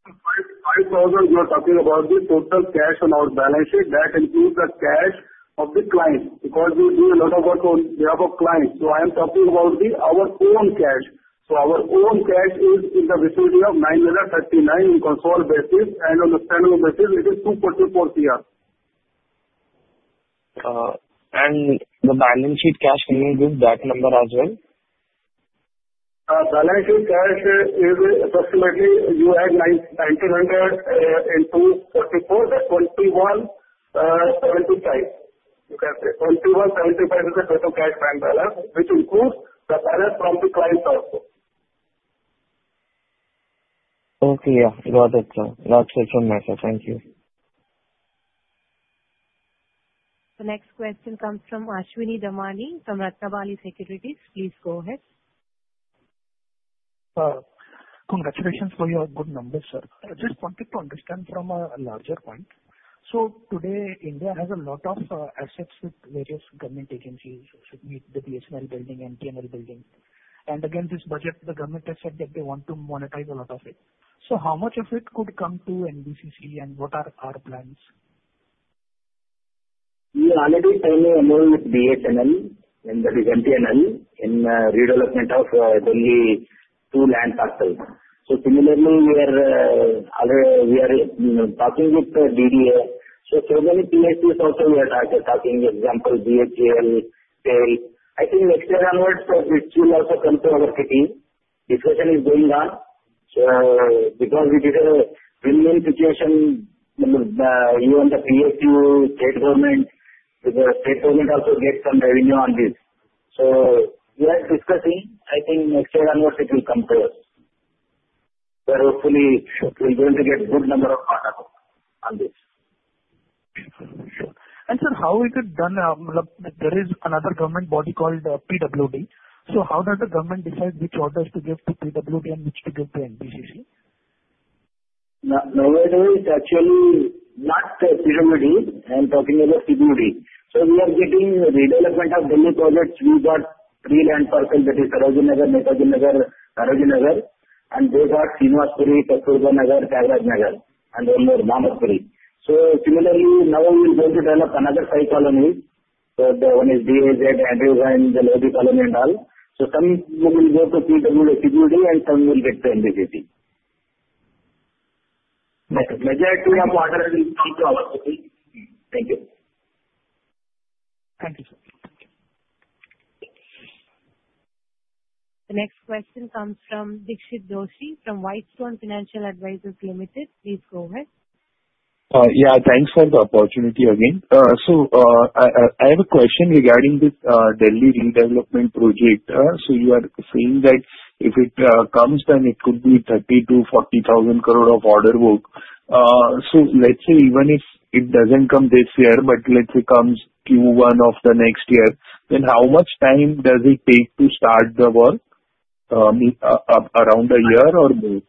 5,500 crore, we are talking about the total cash on our balance sheet. That includes the cash of the client, because we do a lot of work on behalf of client. So I am talking about our own cash. So our own cash is in the vicinity of 939 crore on consolidated basis, and on the standalone basis, it is 244 crore. The balance sheet cash, can you give that number as well? Balance sheet cash is approximately you add 9, 1,900 into 34. That's 2,175, you can say. 2,175 is the total cash bank balance, which includes the balance from the clients also.... Okay, yeah. Got it, sir. Got it from myself. Thank you. The next question comes from Ashwin Damani from Ratnabali Securities. Please go ahead. Congratulations for your good numbers, sir. I just wanted to understand from a larger point. So today India has a lot of assets with various government agencies, which meet the BSNL building and MTNL building. And again, this budget, the government has said that they want to monetize a lot of it. So how much of it could come to NBCC and what are our plans? We are already signing an MOU with BSNL, and that is MTNL, in redevelopment of Delhi two land parcels. So similarly, we are already we are talking with the DDA. So several PSUs also we are talking, example, BHEL. I think next year onwards, so this will also come to our city. Discussion is going on. So because it is a win-win situation, even the PSU state government, the state government also gets some revenue on this. So we are discussing. I think next year onwards it will come to us. So hopefully, we are going to get good number of order on this. Sure. Sir, how is it done, like there is another government body called PWD. So how does the government decide which orders to give to PWD and which to give to NBCC? No, nowadays actually not PWD, I'm talking about PUD. So we are getting redevelopment of Delhi projects. We got 3 land parcels, that is Sarojini Nagar, Netaji Nagar, Sarojini Nagar, and those are Srinivas Puri, Tilak Nagar, Shivaji Nagar, and one more, Mamerturi. So similarly, now we're going to develop another 5 colonies. So the one is BAZ, Andrews Ganj, and the Lodi Colony and all. So some will go to PWD, PUD, and some will get to NBCC. But majority of orders will come to our company. Thank you. Thank you, sir. The next question comes from Dixit Doshi, from Whitestone Financial Advisors Limited. Please go ahead. Yeah, thanks for the opportunity again. So, I have a question regarding this Delhi redevelopment project. So you are saying that if it comes, then it could be 30,000 crore-40,000 crore of order work. So let's say even if it doesn't come this year, but let's say comes Q1 of the next year, then how much time does it take to start the work? Around a year or more?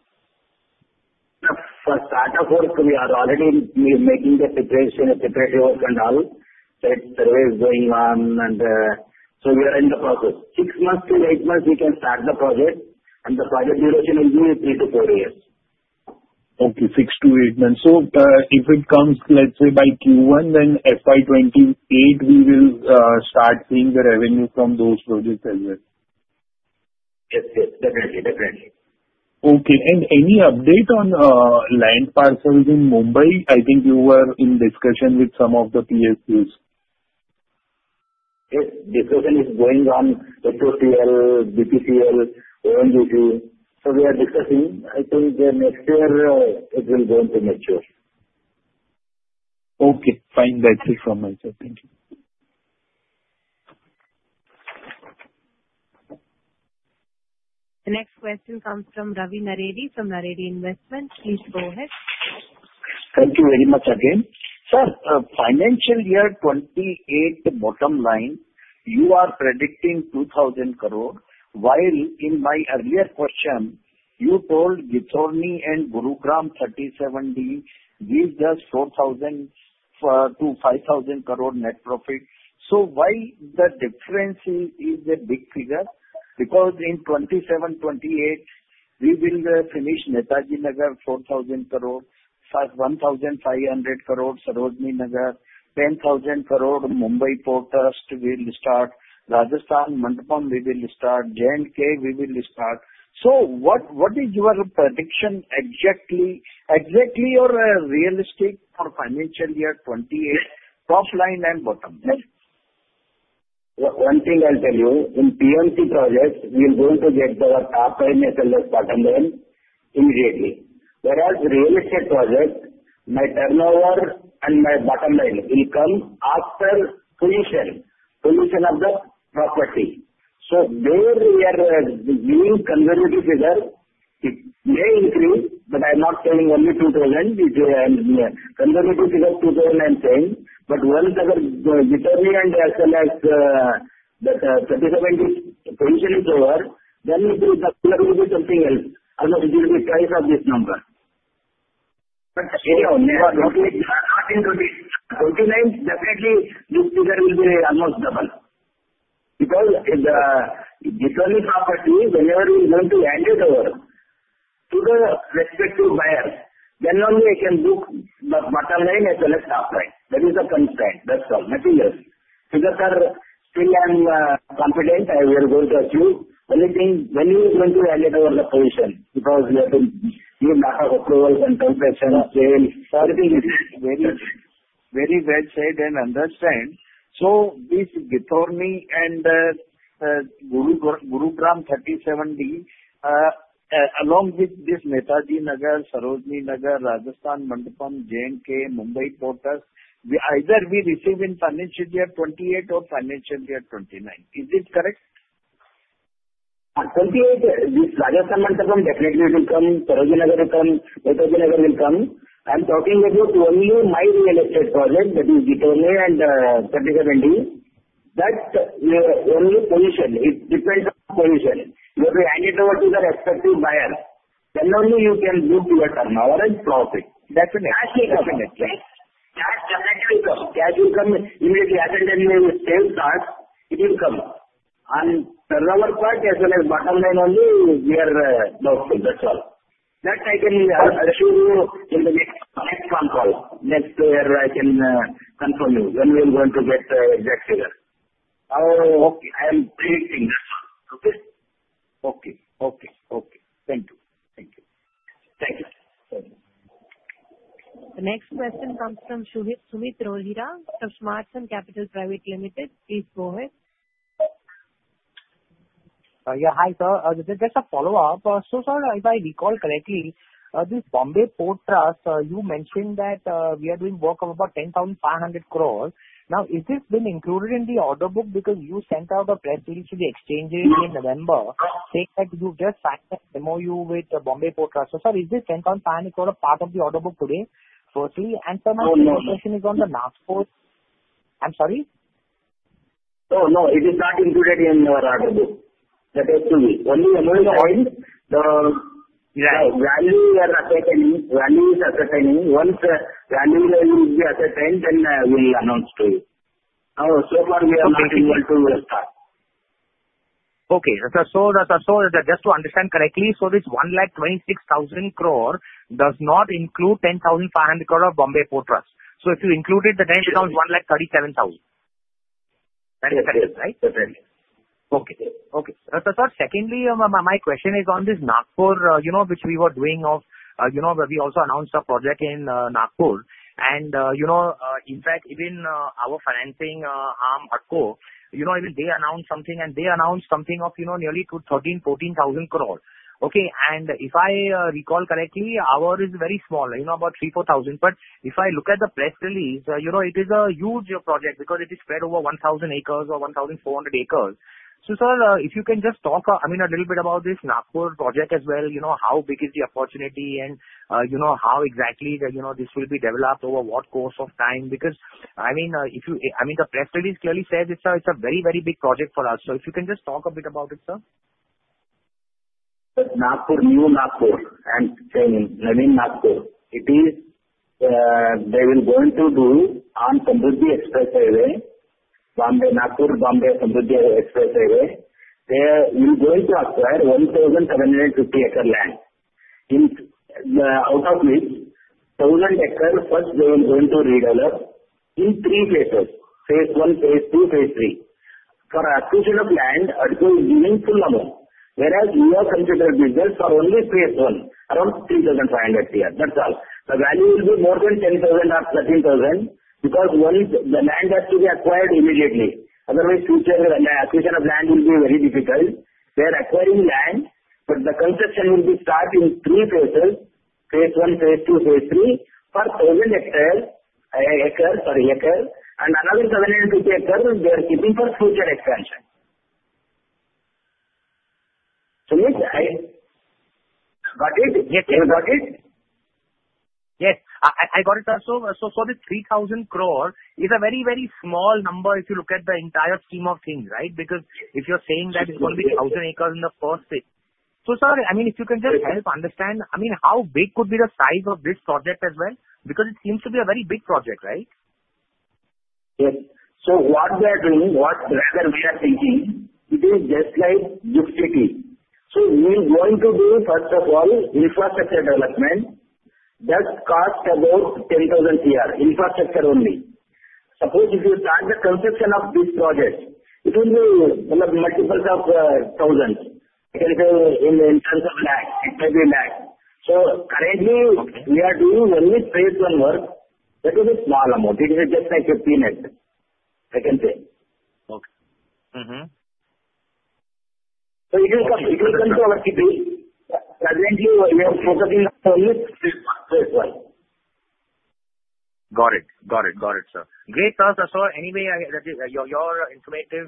For start of work, we are already making the preparation, the preparatory work and all. That work is going on, and so we are in the process. 6-8 months, we can start the project, and the project duration will be 3-4 years. Okay, 6-8 months. So, if it comes, let's say by Q1, then FY 2028, we will start seeing the revenue from those projects as well? Yes, yes. Definitely, definitely. Okay. Any update on land parcels in Mumbai? I think you were in discussion with some of the PSUs. Yes, discussion is going on with HPCL, BPCL, ONGC. So we are discussing. I think the next year, it will going to mature. Okay, fine. That's it from my side. Thank you. The next question comes from Ravi Naredi, from Naredi Investments. Please go ahead. Thank you very much again. Sir, financial year 2028, the bottom line, you are predicting 2,000 crore, while in my earlier question, you told Ghitorni and Gurugram Sector 37D, give us 4,000-5,000 crore net profit. So why the difference is, is a big figure? Because in 2027-2028, we will finish Netaji Nagar 4,000 crore, plus 1,500 crore, Sarojini Nagar, 10,000 crore, Mumbai Port Trust will start. Rajasthan Mandapam, we will start. JNK, we will start. So what, what is your prediction exactly? Exactly or realistic for financial year 2028, top line and bottom line? One thing I'll tell you, in PMC projects, we're going to get the top line as well as bottom line immediately. Whereas real estate projects, my turnover and my bottom line will come after completion, completion of the property. So there we are, giving conservative figure. It may increase, but I'm not saying only 2,000, it's a conservative figure, 2,000 I'm saying. But once the Ghitorni and SLF, the certificate is potentially lower, then it will be something else, or it will be twice of this number. But anyway, definitely this figure will be almost double, because if the Ghitorni property, whenever we're going to hand it over to the respective buyer, then only I can book the bottom line as well as top line. That is the constraint. That's all. Nothing else. Because still I'm confident I will going to achieve only thing when you are going to hand it over the position, because we have to give lot of approvals and confirmation of sale. So everything is- Very, very well said and understand. So this Ghitorni and Gurugram 37D, along with this Netaji Nagar, Sarojini Nagar, Rajasthan Mandapam, JNK, Mumbai Port Trust, we either we receive in financial year 2028 or financial year 2029. Is this correct?... Absolutely, this Rajasthan Mandapam definitely will come, Sarojini Nagar will come, Netaji Nagar will come. I'm talking about only my elected project, that is Ghitorni and Pratigya Wendy. That's the only possession. It depends on possession. You have to hand it over to the respective buyer, then only you can book your turnover and profit. Definitely, definitely. That definitely come. Cash will come immediately as and when the sales start, it will come. On our part, as well as bottom line only, we are doubtful. That's all. That I can assure you in the next, next con call. Next year, I can confirm you when we are going to get the exact figure. Oh, okay. I am predicting, okay? Okay. Okay. Okay. Thank you. Thank you. Thank you. The next question comes from Sumit, Sumit Rohira of Smart San Capital Private Limited. Please go ahead. Yeah. Hi, sir. Just, just a follow-up. So sir, if I recall correctly, this Mumbai Port Trust, you mentioned that, we are doing work of about 10,500 crores. Now, is this been included in the order book because you sent out a press release to the exchanges in November, saying that you just signed a MoU with Mumbai Port Trust. So sir, is this INR 10,500 crore part of the order book today, firstly? And sir my second question is on the Nagpur. I'm sorry? No, no, it is not included in our order book. That has to be... Only another point, the value we are assessing, value is assessing. Once the value is assessed, then, we will announce to you. So far we have not been able to start. Okay. So, sir, so just to understand correctly, so this 126,000 crore does not include 10,500 crore of Mumbai Port Trust. So if you include it, then it becomes 137,000 crore. Yes, yes. That is correct, right? Definitely. Okay. Okay. Sir, secondly, my question is on this Nagpur, you know, which we were doing of, you know, we also announced a project in Nagpur. And, you know, in fact, even our financing arm, HUDCO, you know, even they announced something, and they announced something of, you know, nearly 13,000-14,000 crore. Okay, and if I recall correctly, our is very small, you know, about 3,000-4,000 crore. But if I look at the press release, you know, it is a huge project because it is spread over 1,000 acres or 1,400 acres. So sir, if you can just talk, I mean, a little bit about this Nagpur project as well, you know, how big is the opportunity and, you know, how exactly that, you know, this will be developed over what course of time? Because, I mean, the press release clearly says it's a, it's a very, very big project for us. So if you can just talk a bit about it, sir. Nagpur, new Nagpur. I'm saying, I mean, Nagpur, it is, they will going to do on Samruddhi Express Highway, Bombay, Nagpur, Bombay, Samruddhi Express Highway. They are going to acquire 1,750 acre land. In, out of which, 1,000 acres, first they were going to redevelop in three phases: phase one, phase two, phase three. For acquisition of land, Adko is giving full amount, whereas we have considered business for only phase one, around 3,500 crore, that's all. The value will be more than 10,000 or 13,000, because once the land has to be acquired immediately, otherwise, future acquisition of land will be very difficult. We are acquiring land, but the construction will be start in three phases: phase one, phase two, phase three, for 1,000 hectares, acres, sorry, acre. Another 700 acres we are keeping for future expansion. Sumit, got it? Yes, sir. You got it? Yes, I got it, sir. So for this 3,000 crore is a very, very small number if you look at the entire scheme of things, right? Because if you're saying that it's going to be 1,000 acres in the first phase. So, sir, I mean, if you can just help understand, I mean, how big could be the size of this project as well? Because it seems to be a very big project, right? Yes. So what we are doing, what rather we are thinking, it is just like gift city. So we are going to do, first of all, infrastructure development. That cost about 10,000 crore, infrastructure only. Suppose if you start the construction of this project, it will be, you know, multiples of thousands in terms of lakhs, it may be lakhs. So currently- Okay. We are doing only phase one work. That is a small amount. It is just like a peanut, I can say. Okay. Mm-hmm. It will come, it will come to our CP. Currently, we are focusing on only phase one. Got it. Got it. Got it, sir. Great, sir. So anyway, your, your informative,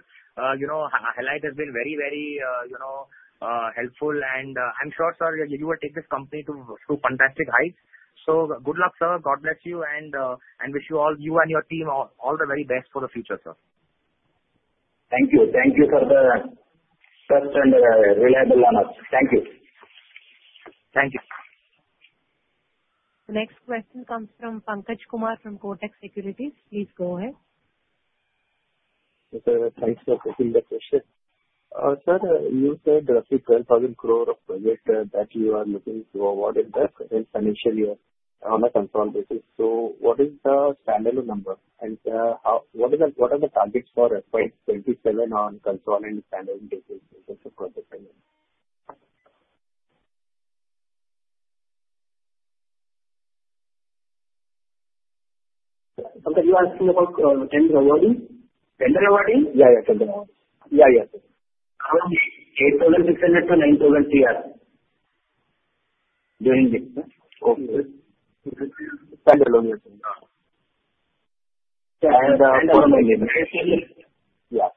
you know, highlight has been very, very, you know, helpful. And, I'm sure, sir, you will take this company to, to fantastic heights. So good luck, sir. God bless you, and, and wish you all, you and your team, all, all the very best for the future, sir. Thank you. Thank you for the trust and reliance on us. Thank you. Thank you. The next question comes from Pankaj Kumar, from Kotak Securities. Please go ahead. Sir, thanks for taking the question. Sir, you said that the 12,000 crore of project that you are looking to award in the current financial year on a confirmed basis. So what is the standalone number, and, how, what are the, what are the targets for FY 2027 on confirmed and standalone basis for the project? Pankaj, you are asking about tender awarding? Tender awarding? Yeah, yeah, tender award. Yeah, yeah. INR 8,600 crore or INR 9,000 crore, during this year. Okay. Standalone year.... Yeah.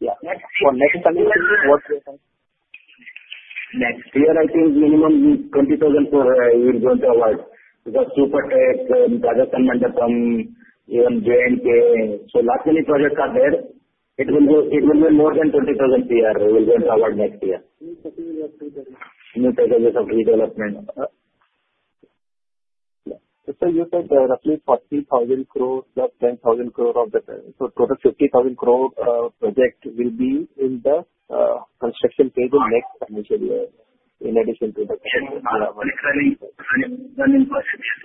Yeah. For next financial year, what we are saying? Next year, I think minimum is 20,000 crore, we are going to award. Because Supertech, Rajasthan Mandapam, even JNK. So last many projects are there, it will be, it will be more than 20,000 CR we are going to award next year. New projects of redevelopment. Uh, yeah. So you said, roughly 40,000 crore plus 10,000 crore of the... So total 50,000 crore, project will be in the, construction table next financial year, in addition to the- Yes, currently running projects.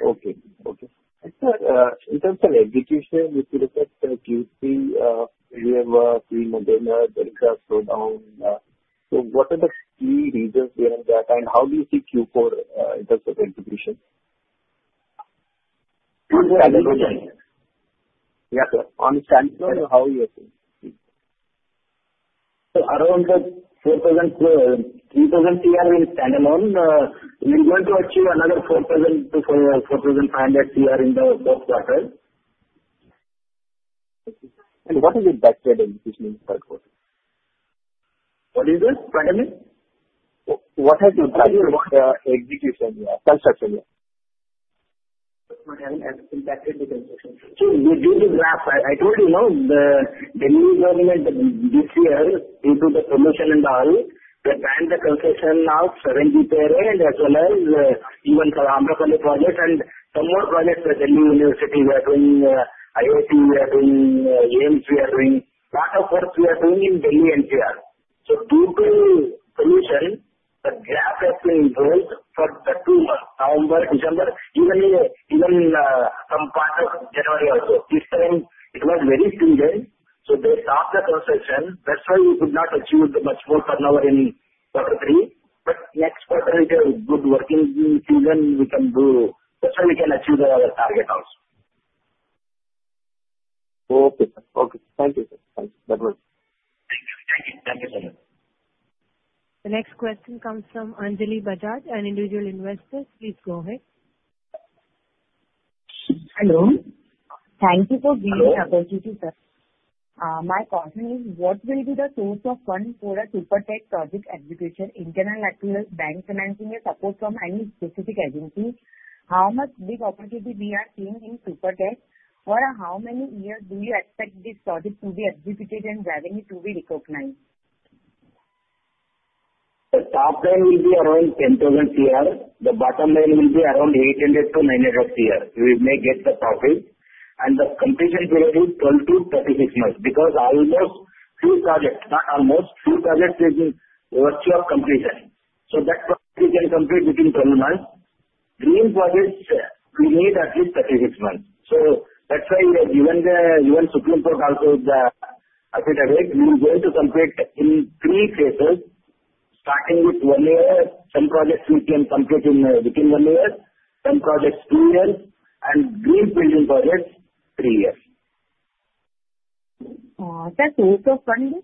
Okay. Okay. And sir, in terms of execution, if you look at the Q3, we have three months, then there was slowdown. So what are the key reasons behind that, and how do you see Q4 in terms of execution? execution. Yeah, sir. On standalone, how you are seeing? Around the 4,000 crore, 3,000 CR in standalone, we are going to achieve another 4,000 to 4,500 CR in the fourth quarter. What is the back end execution part for it? What is this? Pardon me. What has impacted your execution construction year? What has impacted the construction? So due to the graph, I told you know, the Delhi government this year, due to the pollution and all, they banned the construction of seven GPRA and as well as even for Amrapali College and some more colleges. The Delhi University we are doing, IIT we are doing, AIIMS we are doing, lot of works we are doing in Delhi NCR. So due to pollution, the graph has been going for the two months, November, December, even some part of January also. This time it was very stringent, so they stopped the construction. That's why we could not achieve much more turnover in quarter three. But next quarter, it is good working season we can do. That's why we can achieve our target also. Okay. Okay. Thank you, sir. Thank you. That was- Thank you. Thank you. Thank you, sir. The next question comes from Anjali Bajaj, an individual investor. Please go ahead. Hello. Thank you for giving the opportunity, sir. My question is: What will be the source of fund for the Supertech project execution, internal accruals, bank financing, or support from any specific agency? How much big opportunity we are seeing in Supertech? For how many years do you expect this project to be executed and revenue to be recognized? The top line will be around 10,000 crore. The bottom line will be around 800-900 crore. We may get the profit and the completion period is 12-36 months, because almost few projects, almost few projects is in virtual completion. So that project we can complete within 12 months. Green projects, we need at least 36 months. So that's why we have given the, even Supreme Court also is upset about it. We are going to complete in 3 phases, starting with 1 year. Some projects we can complete in, within 1 year, some projects 2 years, and green building projects, 3 years. Sir, source of funding?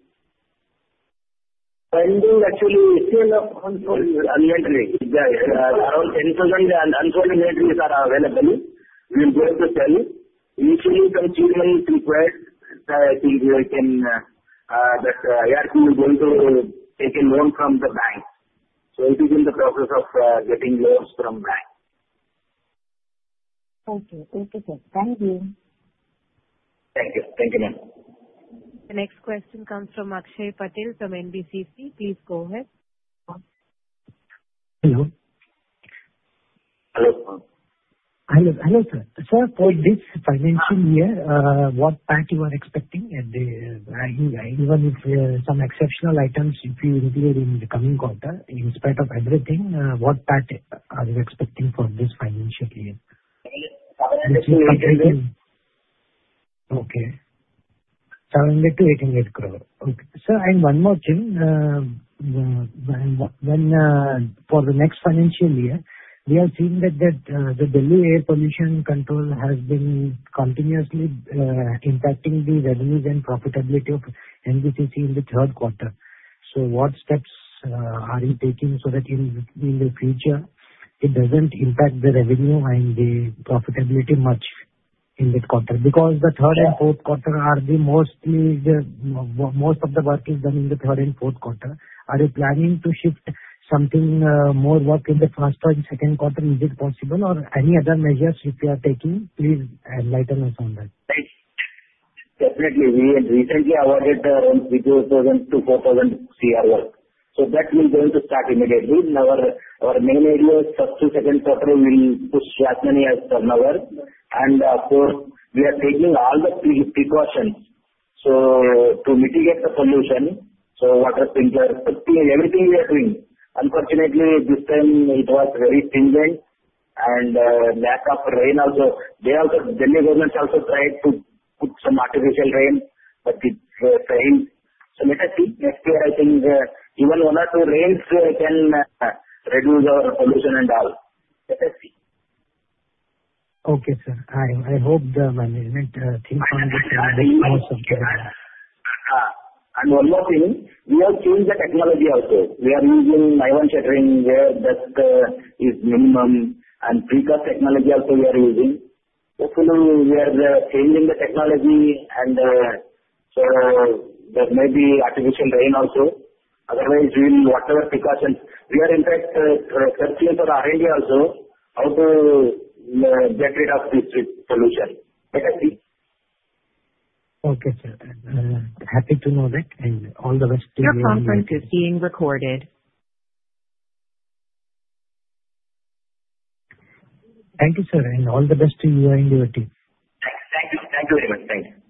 Funding, actually, is in the unsold inventory. Around 10,000 unsold inventories are available. We are going to sell it. If we achieve on required, I think we can, that NBCC is going to take a loan from the bank. So it is in the process of getting loans from bank. Okay. Okay, sir. Thank you. Thank you. Thank you, ma'am. The next question comes from Akshay Patel, from NDCC. Please go ahead. Hello. Hello. Hello. Hello, sir. Sir, for this financial year, what PAT you are expecting? And the, I think even if, some exceptional items, if you include in the coming quarter, in spite of everything, what PAT are you expecting for this financial year? 700-800. Okay, INR 700-800 crore. Okay. Sir, and one more thing, when for the next financial year, we have seen that the Delhi Air Pollution Control has been continuously impacting the revenues and profitability of NBCC in the third quarter. So what steps are you taking so that in the future, it doesn't impact the revenue and the profitability much in that quarter? Because the third and fourth quarter are mostly the most of the work is done in the third and fourth quarter. Are you planning to shift something more work in the first or the second quarter? Is it possible, or any other measures which you are taking? Please enlighten us on that. Right. Definitely. We have recently awarded around 3,000-4,000 crore work. So that we are going to start immediately. And our main area is first to second quarter, we will push as many as turnover. And of course, we are taking all the precautions, so to mitigate the pollution, so water filters, everything we are doing. Unfortunately, this time it was very stringent and lack of rain also. They also, Delhi government also tried to put some artificial rain, but it failed. So let us see. Next year, I think, even one or two rains can reduce our pollution and all. Let us see. Okay, sir. I hope the management thinks on this and takes measures.... One more thing, we have changed the technology also. We are using iron shuttering where dust is minimum, and pre-cut technology also we are using. Hopefully, we are changing the technology and so there may be artificial rain also. Otherwise, we will whatever precaution. We are in fact searching for idea also how to get rid of this pollution. Thank you. Okay, sir. Happy to know that, and all the best to you. Your conference is being recorded. Thank you, sir, and all the best to you and your team. Thank you. Thank you very much. Thank you.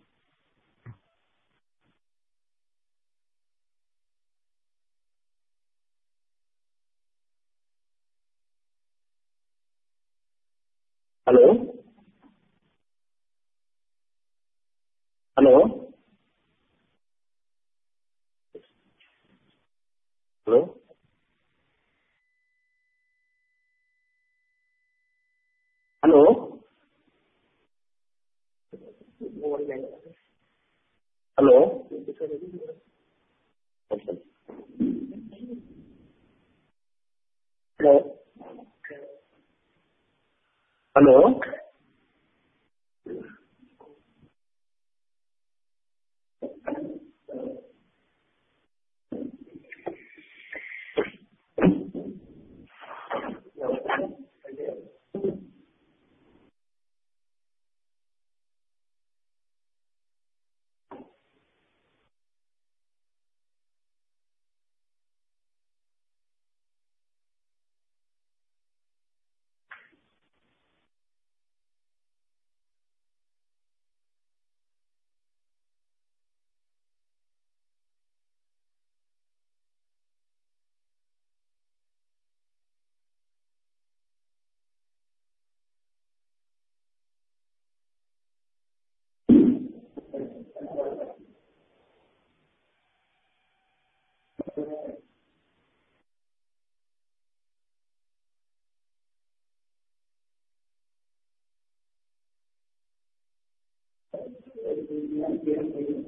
Hello? Hello? Hello. Hello? Hello? Hello? Hello?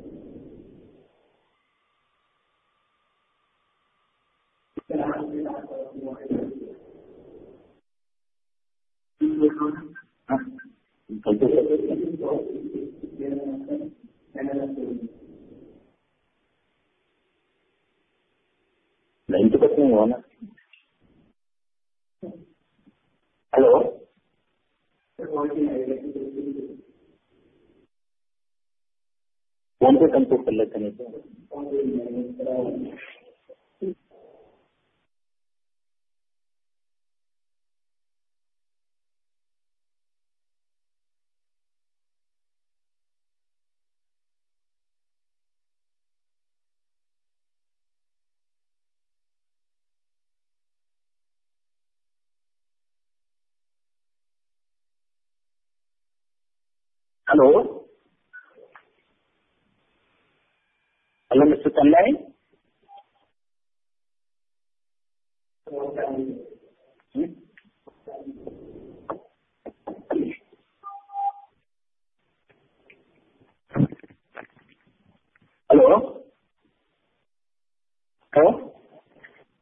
Hello. Hello, Mr. Kannaiya. Hello? Hello?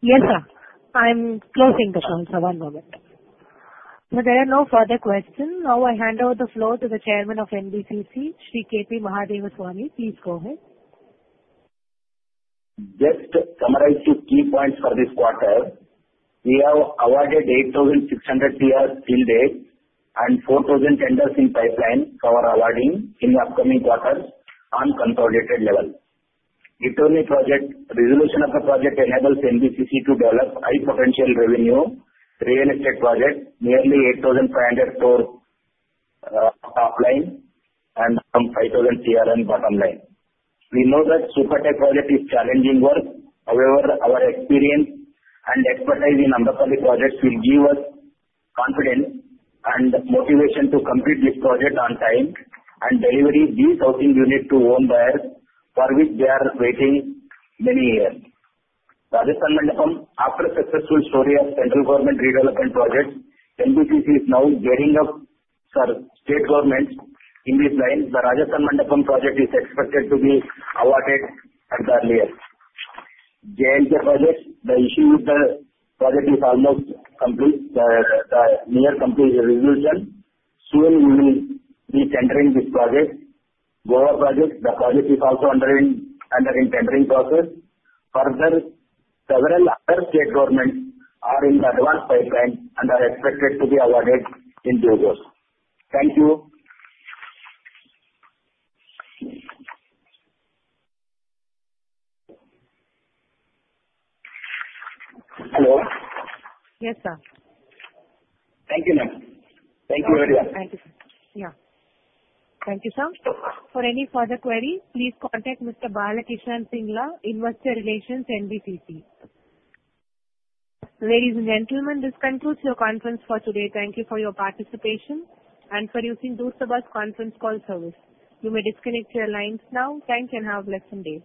Yes, sir. I'm closing the conference, one moment. There are no further questions. Now I hand over the floor to the Chairman of NBCC, Shri K.P. Mahadevaswamy. Please go ahead. Just to summarize the key points for this quarter, we have awarded 8,600 crore till date and 4,000 tenders in pipeline for our awarding in the upcoming quarters on consolidated level. Itau project, resolution of the project enables NBCC to develop high potential revenue, real estate project, nearly 8,500 crore top line, and some 5,000 crore on bottom line. We know that Supertech project is challenging work. However, our experience and expertise in urban projects will give us confidence and motivation to complete this project on time and deliver these housing units to home buyers, for which they are waiting many years. Rajasthan Mandapam, after a success story of Central Government redevelopment projects, NBCC is now gearing up for state governments in this line. The Rajasthan Mandapam project is expected to be awarded at the earliest. JNK project, the issue with the project is almost complete, near complete resolution. Soon we will be tendering this project. Goa project, the project is also under tendering process. Further, several other state governments are in the advanced pipeline and are expected to be awarded in two years. Thank you. Hello? Yes, sir. Thank you, ma'am. Thank you very much. Thank you, sir. Yeah. Thank you, sir. For any further queries, please contact Mr. Balkishan Singla, Investor Relations, NBCC. Ladies and gentlemen, this concludes your conference for today. Thank you for your participation and for using DoStabak's conference call service. You may disconnect your lines now. Thank you, and have a blessed day.